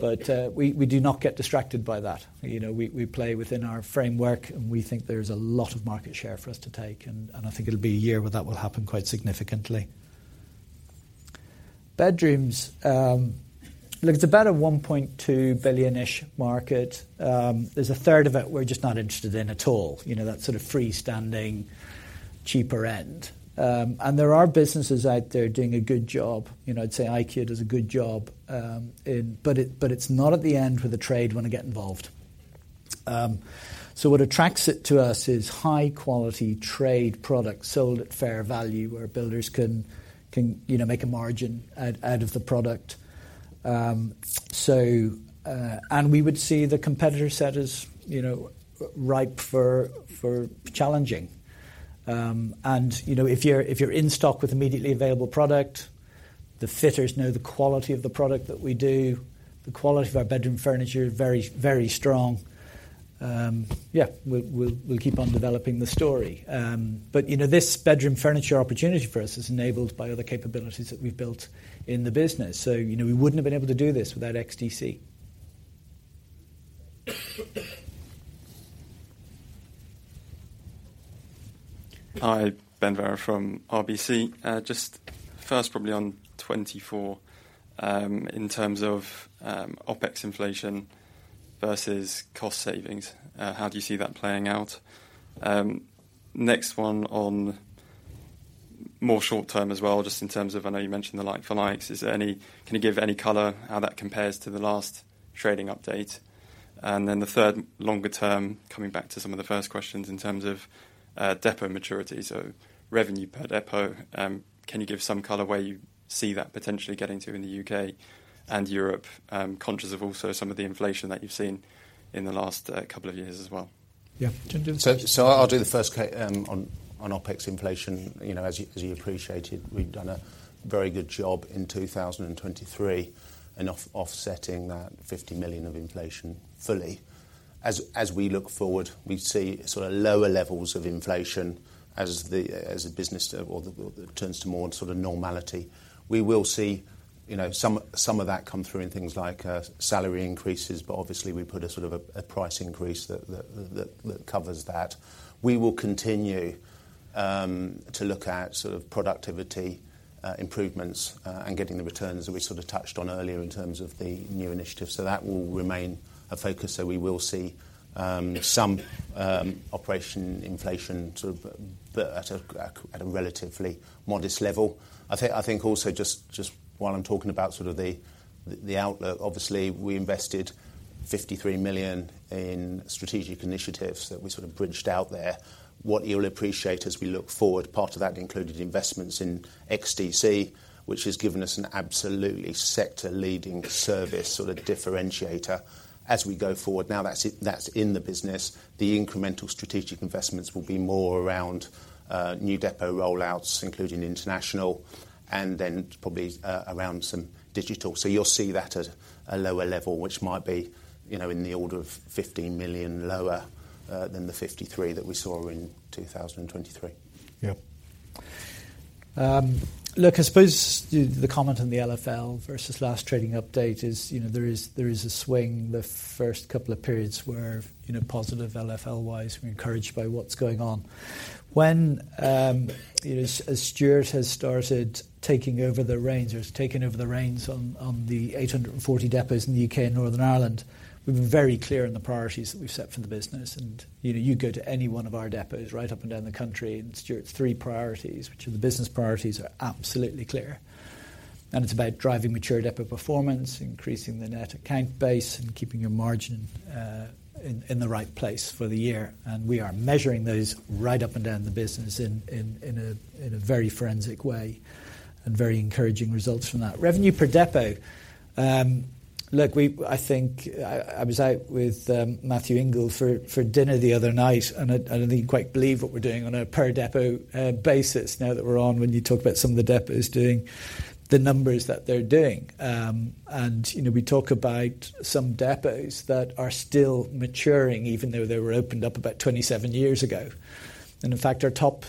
But, we, we do not get distracted by that. You know, we, we play within our framework, and we think there's a lot of market share for us to take, and, and I think it'll be a year where that will happen quite significantly. Bedrooms, look, it's about a 1.2 billion-ish market. There's a third of it we're just not interested in at all. You know, that sort of freestanding, cheaper end. And there are businesses out there doing a good job. You know, I'd say IKEA does a good job, in... But it's not at the end where the trade want to get involved. So what attracts it to us is high-quality trade products sold at fair value, where builders can, you know, make a margin out of the product. So, and we would see the competitor set as, you know, ripe for challenging. And, you know, if you're in stock with immediately available product, the fitters know the quality of the product that we do, the quality of our bedroom furniture, very, very strong. Yeah, we'll keep on developing the story. But, you know, this bedroom furniture opportunity for us is enabled by other capabilities that we've built in the business. So, you know, we wouldn't have been able to do this without XDC. Hi, Ben Pfannes-Varrow from RBC. Just first, probably on 2024, in terms of, OpEx inflation versus cost savings, how do you see that playing out? Next one on more short term as well, just in terms of, I know you mentioned the like for likes. Can you give any color how that compares to the last trading update? And then the third, longer term, coming back to some of the first questions in terms of, depot maturity, so revenue per depot, can you give some color where you see that potentially getting to in the U.K. and Europe? Conscious of also some of the inflation that you've seen in the last, couple of years as well. Yeah. Do you want to do this? So I'll do the first on OpEx inflation. You know, as you appreciated, we've done a very good job in 2023 in offsetting that 50 million of inflation fully. As we look forward, we see sort of lower levels of inflation as the business returns to more sort of normality. We will see, you know, some of that come through in things like salary increases, but obviously we put a sort of a price increase that covers that. We will continue to look at sort of productivity improvements and getting the returns that we sort of touched on earlier in terms of the new initiatives. So that will remain a focus, so we will see some operation inflation sort of, but at a relatively modest level. I think also just while I'm talking about sort of the outlook, obviously, we invested 53 million in strategic initiatives that we sort of bridged out there. What you'll appreciate as we look forward, part of that included investments in XDC, which has given us an absolutely sector-leading service sort of differentiator as we go forward. Now, that's in the business. The incremental strategic investments will be more around new depot rollouts, including international, and then probably around some digital. So you'll see that at a lower level, which might be, you know, in the order of 15 million lower than the 53 million that we saw in 2023. Yep. Look, I suppose the comment on the LFL versus last trading update is, you know, there is a swing. The first couple of periods were, you know, positive LFL-wise. We're encouraged by what's going on. When, as Stuart has started taking over the reins, or has taken over the reins on the 840 depots in the U.K. and Northern Ireland, we've been very clear on the priorities that we've set for the business. And, you know, you go to any one of our depots right up and down the country, and Stuart's three priorities, which are the business priorities, are absolutely clear. And it's about driving mature depot performance, increasing the net account base, and keeping your margin in the right place for the year. And we are measuring those right up and down the business in a very forensic way, and very encouraging results from that. Revenue per depot, look, we—I think I was out with Matthew Ingle for dinner the other night, and I don't think he quite believe what we're doing on a per depot basis now, when you talk about some of the depots doing the numbers that they're doing. And, you know, we talk about some depots that are still maturing, even though they were opened up about 27 years ago. And in fact, our top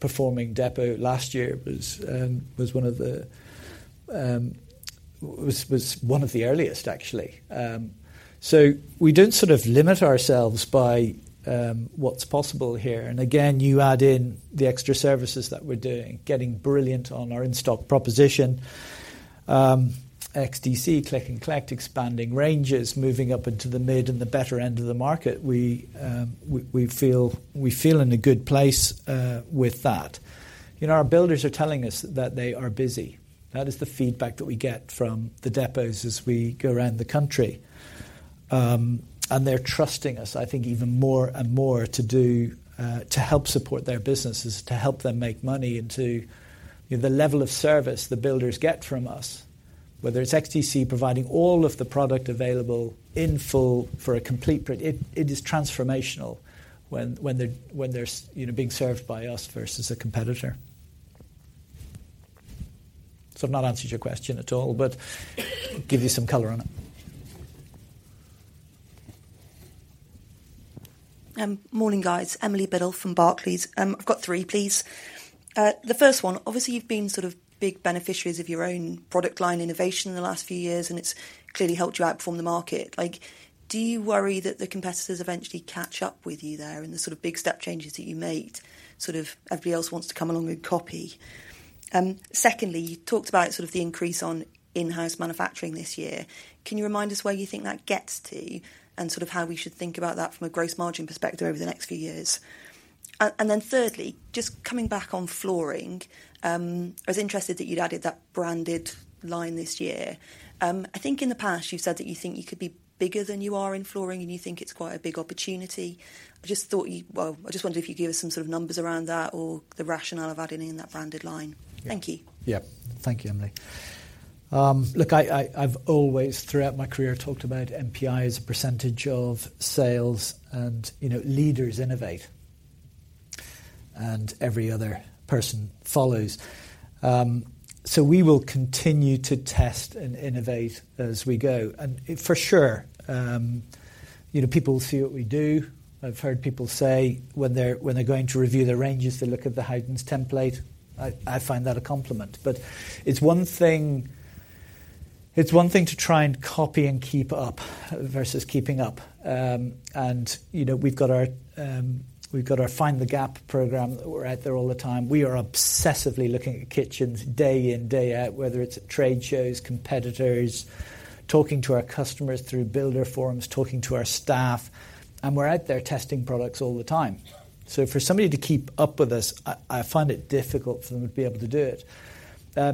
performing depot last year was one of the earliest, actually. So we don't sort of limit ourselves by what's possible here. Again, you add in the extra services that we're doing, getting brilliant on our in-stock proposition, XDC, click and collect, expanding ranges, moving up into the mid and the better end of the market. We feel in a good place with that. You know, our builders are telling us that they are busy. That is the feedback that we get from the depots as we go around the country. And they're trusting us, I think, even more and more to help support their businesses, to help them make money, and to, you know, the level of service the builders get from us, whether it's XDC providing all of the product available in full for a complete pr-it is transformational when they're being served by us versus a competitor. I've not answered your question at all, but give you some color on it. Morning, guys. Emily Biddulph from Barclays. I've got three, please. The first one, obviously, you've been sort of big beneficiaries of your own product line innovation in the last few years, and it's clearly helped you outperform the market. Like, do you worry that the competitors eventually catch up with you there in the sort of big step changes that you make, sort of everybody else wants to come along and copy? Secondly, you talked about sort of the increase on in-house manufacturing this year. Can you remind us where you think that gets to and sort of how we should think about that from a gross margin perspective over the next few years? And then thirdly, just coming back on flooring, I was interested that you'd added that branded line this year. I think in the past you've said that you think you could be bigger than you are in flooring, and you think it's quite a big opportunity. I just thought you... Well, I just wonder if you'd give us some sort of numbers around that or the rationale of adding in that branded line. Thank you. Yeah. Thank you, Emily. Look, I've always, throughout my career, talked about NPI as a percentage of sales, and, you know, leaders innovate, and every other person follows. So we will continue to test and innovate as we go. And for sure, you know, people will see what we do. I've heard people say when they're going to review their ranges, they look at the Howdens template. I find that a compliment. But it's one thing, it's one thing to try and copy and keep up versus keeping up. And, you know, we've got our Find the Gap program. We're out there all the time. We are obsessively looking at kitchens day in, day out, whether it's at trade shows, competitors, talking to our customers through builder forums, talking to our staff, and we're out there testing products all the time. So for somebody to keep up with us, I find it difficult for them to be able to do it.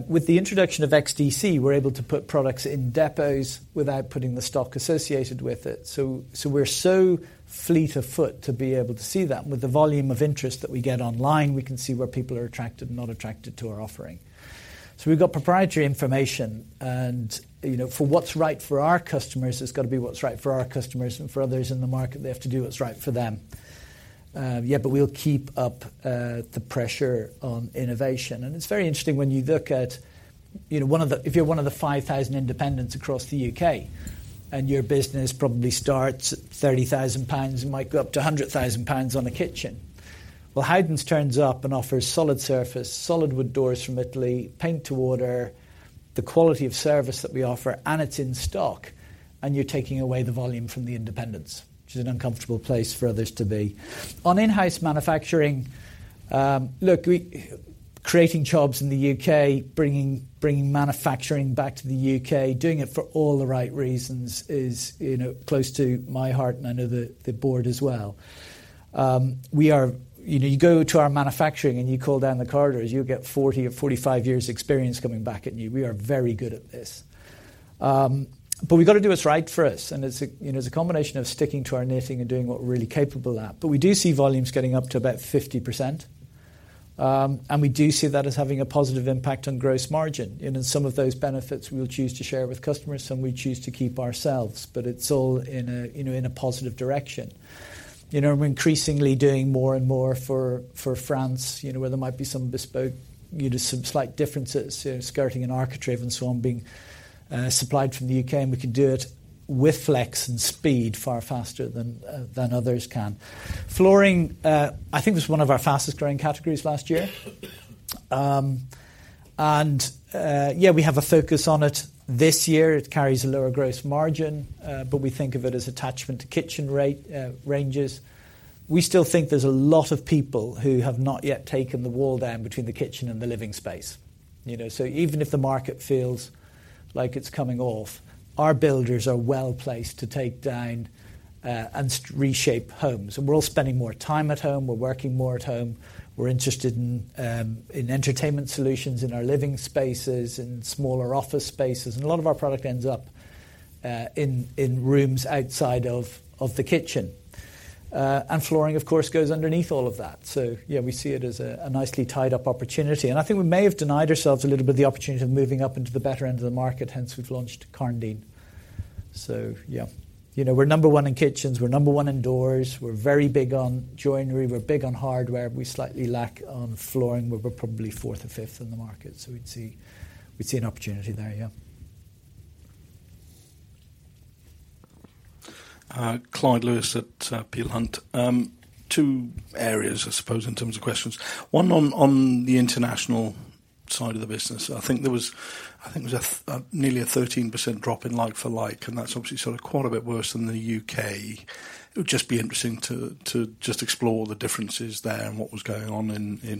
With the introduction of XDC, we're able to put products in depots without putting the stock associated with it. So we're so fleet of foot to be able to see that. With the volume of interest that we get online, we can see where people are attracted and not attracted to our offering. So we've got proprietary information and, you know, for what's right for our customers, it's got to be what's right for our customers and for others in the market, they have to do what's right for them. Yeah, but we'll keep up the pressure on innovation. And it's very interesting when you look at, you know, one of the—if you're one of the 5,000 independents across the U.K., and your business probably starts at 30,000 pounds and might go up to 100,000 pounds on a kitchen. Well, Howdens turns up and offers solid surface, solid wood doors from Italy, paint to order, the quality of service that we offer, and it's in stock, and you're taking away the volume from the independents, which is an uncomfortable place for others to be. On in-house manufacturing, look, we—creating jobs in the U.K., bringing, bringing manufacturing back to the U.K., doing it for all the right reasons is, you know, close to my heart, and I know the, the board as well. We are, you know, you go to our manufacturing and you call down the corridors, you'll get 40 or 45 years experience coming back at you. We are very good at this. But we've got to do what's right for us, and it's a, you know, it's a combination of sticking to our knitting and doing what we're really capable at. But we do see volumes getting up to about 50%, and we do see that as having a positive impact on gross margin. You know, some of those benefits we'll choose to share with customers, some we choose to keep ourselves, but it's all in a, you know, in a positive direction. You know, we're increasingly doing more and more for France, you know, where there might be some bespoke, you know, some slight differences, skirting and architrave and so on, being supplied from the U.K., and we can do it with flex and speed, far faster than others can. Flooring, I think was one of our fastest-growing categories last year. And yeah, we have a focus on it this year. It carries a lower gross margin, but we think of it as attachment to kitchen ranges. We still think there's a lot of people who have not yet taken the wall down between the kitchen and the living space. You know, so even if the market feels like it's coming off, our builders are well-placed to take down and reshape homes. And we're all spending more time at home. We're working more at home. We're interested in entertainment solutions in our living spaces and smaller office spaces, and a lot of our product ends up in rooms outside of the kitchen. And flooring, of course, goes underneath all of that. So yeah, we see it as a nicely tied up opportunity, and I think we may have denied ourselves a little bit the opportunity of moving up into the better end of the market, hence we've launched Karndean. So yeah. You know, we're number one in kitchens, we're number one in doors, we're very big on joinery, we're big on hardware, we slightly lack on flooring, but we're probably fourth or fifth in the market, so we'd see, we'd see an opportunity there, yeah. Clyde Lewis at Peel Hunt. Two areas, I suppose, in terms of questions. One on the international side of the business. I think there was nearly a 13% drop in like for like, and that's obviously sort of quite a bit worse than the U.K. It would just be interesting to just explore the differences there and what was going on in, you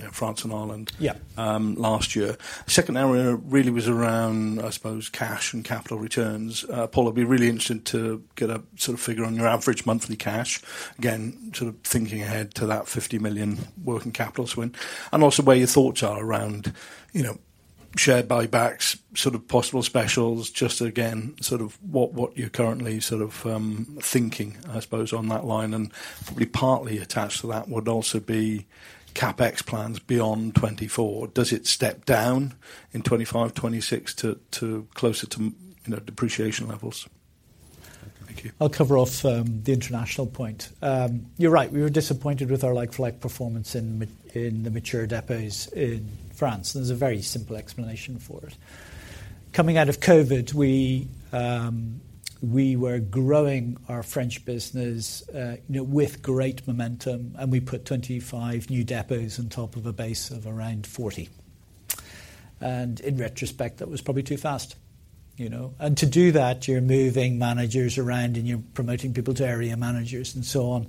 know, France and Ireland. Yeah.... last year. The second area really was around, I suppose, cash and capital returns. Paul, I'd be really interested to get a sort of figure on your average monthly cash. Again, sort of thinking ahead to that 50 million working capital swing, and also where your thoughts are around, you know, share buybacks, sort of possible specials, just again, sort of what you're currently sort of thinking, I suppose, on that line. And probably partly attached to that would also be CapEx plans beyond 2024. Does it step down in 2025, 2026 to closer to, you know, depreciation levels? I'll cover off the international point. You're right, we were disappointed with our like-for-like performance in the mature depots in France. There's a very simple explanation for it. Coming out of COVID, we were growing our French business, you know, with great momentum, and we put 25 new depots on top of a base of around 40. In retrospect, that was probably too fast, you know? To do that, you're moving managers around, and you're promoting people to area managers and so on,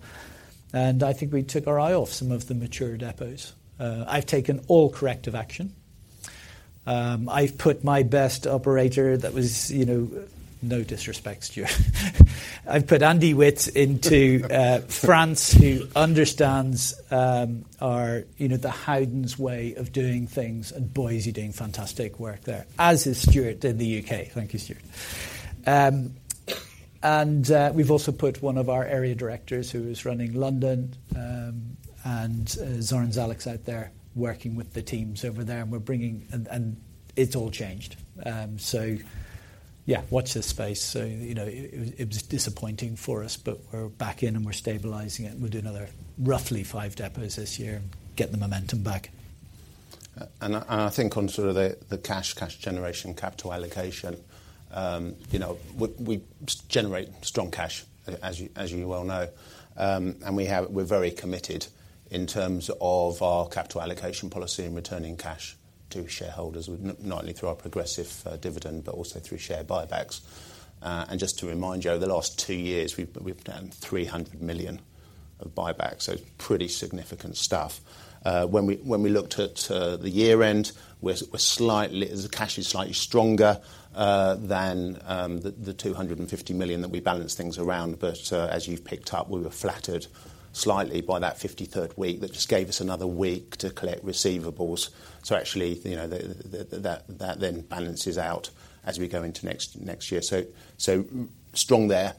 and I think we took our eye off some of the mature depots. I've taken all corrective action. I've put my best operator that was, you know, no disrespect, Stuart. I've put Andy Witts into France, who understands our, you know, the Howdens way of doing things, and boy, is he doing fantastic work there, as is Stuart in the U.K. Thank you, Stuart. And we've also put one of our area directors who is running London and Zoran Zailac out there, working with the teams over there, and we're bringing... And it's all changed. So yeah, watch this space. So, you know, it was disappointing for us, but we're back in, and we're stabilizing it. We'll do another roughly five depots this year and get the momentum back. And I think on sort of the cash generation, capital allocation, you know, we generate strong cash, as you well know. And we have-- we're very committed in terms of our capital allocation policy and returning cash to shareholders, not only through our progressive dividend, but also through share buybacks. And just to remind you, over the last two years, we've done 300 million of buybacks, so pretty significant stuff. When we looked at the year-end, we're slightly-- the cash is slightly stronger than the 250 million that we balanced things around, but as you've picked up, we were flattered slightly by that 53rd week. That just gave us another week to collect receivables. So actually, you know, that then balances out as we go into next year. Strong there,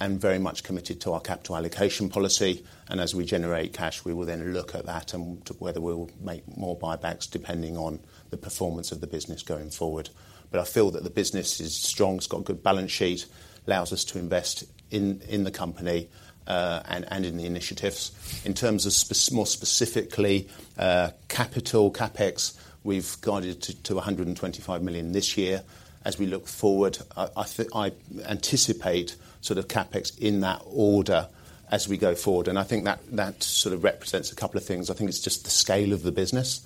and very much committed to our capital allocation policy, and as we generate cash, we will then look at that and to whether we'll make more buybacks, depending on the performance of the business going forward. But I feel that the business is strong. It's got a good balance sheet, allows us to invest in the company, and in the initiatives. In terms of more specifically, capital, CapEx, we've guided to 125 million this year. As we look forward, I anticipate sort of CapEx in that order as we go forward, and I think that sort of represents a couple of things. I think it's just the scale of the business,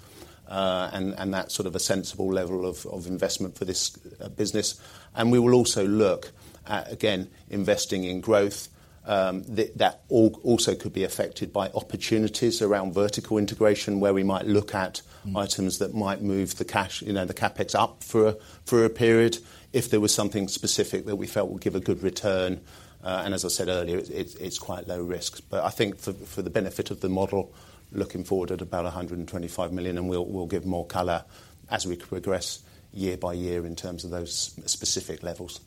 and that's sort of a sensible level of investment for this business. And we will also look at, again, investing in growth, that also could be affected by opportunities around vertical integration, where we might look at items that might move the cash, you know, the CapEx up for a period if there was something specific that we felt would give a good return. And as I said earlier, it's quite low risk. But I think for the benefit of the model, looking forward at about 125 million, and we'll give more color as we progress year by year in terms of those specific levels.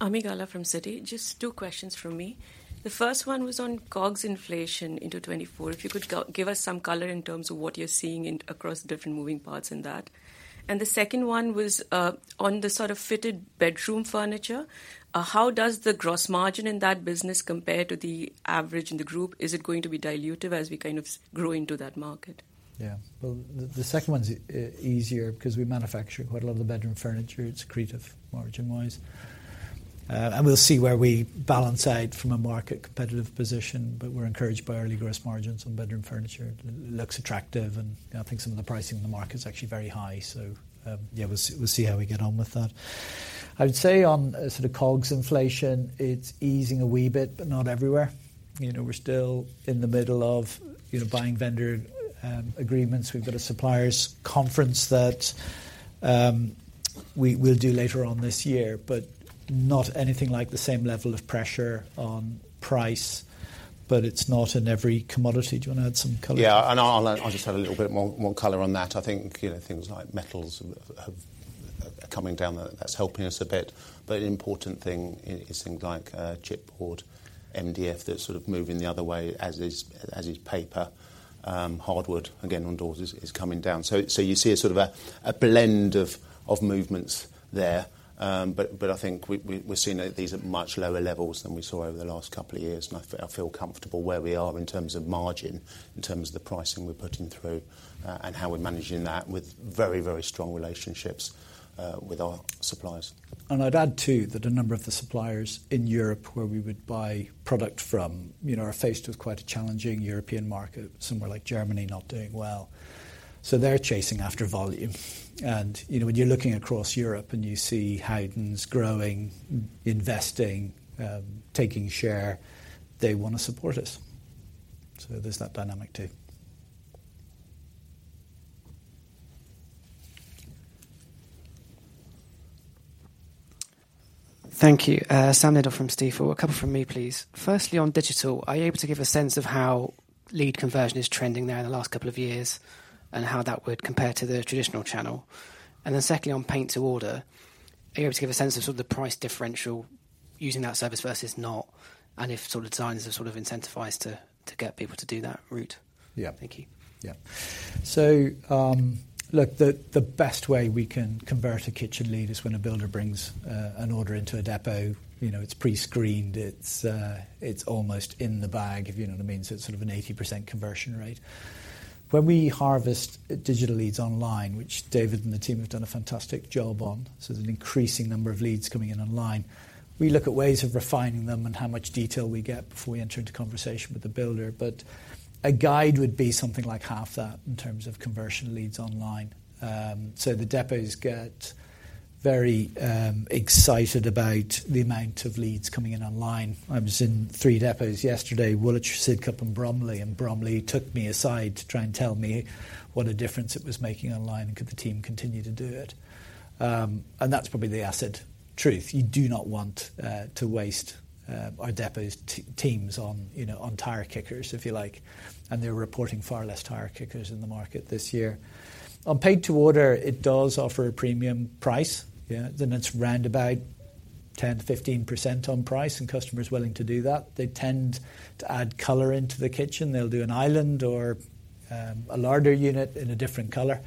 Ami Galla from Citi. Just two questions from me. The first one was on COGS inflation into 2024. If you could give us some color in terms of what you're seeing in, across the different moving parts in that. And the second one was on the sort of fitted bedroom furniture. How does the gross margin in that business compare to the average in the group? Is it going to be dilutive as we kind of grow into that market? Yeah. Well, the second one's easier because we manufacture quite a lot of the bedroom furniture. It's accretive, margin-wise. And we'll see where we balance out from a market competitive position, but we're encouraged by early gross margins on bedroom furniture. It looks attractive, and, you know, I think some of the pricing in the market is actually very high. So, yeah, we'll see, we'll see how we get on with that. I would say on sort of COGS inflation, it's easing a wee bit, but not everywhere. You know, we're still in the middle of, you know, buying vendor agreements. We've got a suppliers' conference that we, we'll do later on this year, but not anything like the same level of pressure on price, but it's not in every commodity. Do you want to add some color? Yeah, and I'll just add a little bit more color on that. I think, you know, things like metals are coming down. That's helping us a bit. But an important thing is things like chipboard, MDF, that's sort of moving the other way, as is paper. Hardwood, again, on doors, is coming down. So you see a sort of a blend of movements there. But I think we're seeing that these are much lower levels than we saw over the last couple of years, and I feel comfortable where we are in terms of margin, in terms of the pricing we're putting through, and how we're managing that with very strong relationships with our suppliers. I'd add, too, that a number of the suppliers in Europe where we would buy product from, you know, are faced with quite a challenging European market, somewhere like Germany not doing well. So they're chasing after volume. And, you know, when you're looking across Europe and you see Howdens growing, investing, taking share, they want to support us. So there's that dynamic, too. Thank you. Sam Dindol from Stifel. A couple from me, please. Firstly, on digital, are you able to give a sense of how lead conversion is trending now in the last couple of years and how that would compare to the traditional channel? And then secondly, on paint to order, are you able to give a sense of sort of the price differential using that service versus not, and if sort of designers are sort of incentivized to, to get people to do that route? Yeah. Thank you. Yeah. So, look, the best way we can convert a kitchen lead is when a builder brings an order into a depot. You know, it's pre-screened, it's, it's almost in the bag, if you know what I mean, so it's sort of an 80% conversion rate. When we harvest digital leads online, which David and the team have done a fantastic job on, so there's an increasing number of leads coming in online, we look at ways of refining them and how much detail we get before we enter into conversation with the builder. But a guide would be something like half that in terms of conversion leads online. So the depots get very excited about the amount of leads coming in online. I was in three depots yesterday, Woolwich, Sidcup, and Bromley, and Bromley took me aside to try and tell me what a difference it was making online, and could the team continue to do it? And that's probably the acid truth. You do not want to waste our depot's teams on, you know, on tire kickers, if you like, and they're reporting far less tire kickers in the market this year. On paint to order, it does offer a premium price. Yeah, then it's round about 10%-15% on price, and customers are willing to do that. They tend to add color into the kitchen. They'll do an island or a larger unit in a different color.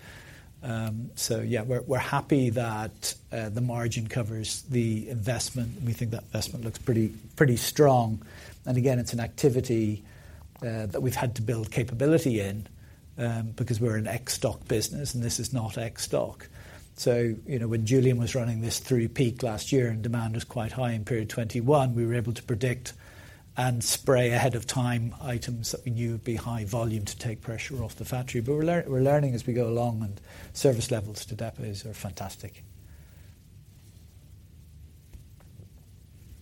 So yeah, we're, we're happy that the margin covers the investment, and we think that investment looks pretty, pretty strong. And again, it's an activity that we've had to build capability in, because we're an ex-stock business, and this is not ex-stock. So, you know, when Julian was running this through peak last year and demand was quite high in Period 21, we were able to predict and spray ahead of time items that we knew would be high volume to take pressure off the factory. But we're learning as we go along, and service levels to depots are fantastic.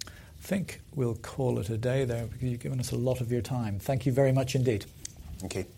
I think we'll call it a day there because you've given us a lot of your time. Thank you very much indeed. Thank you.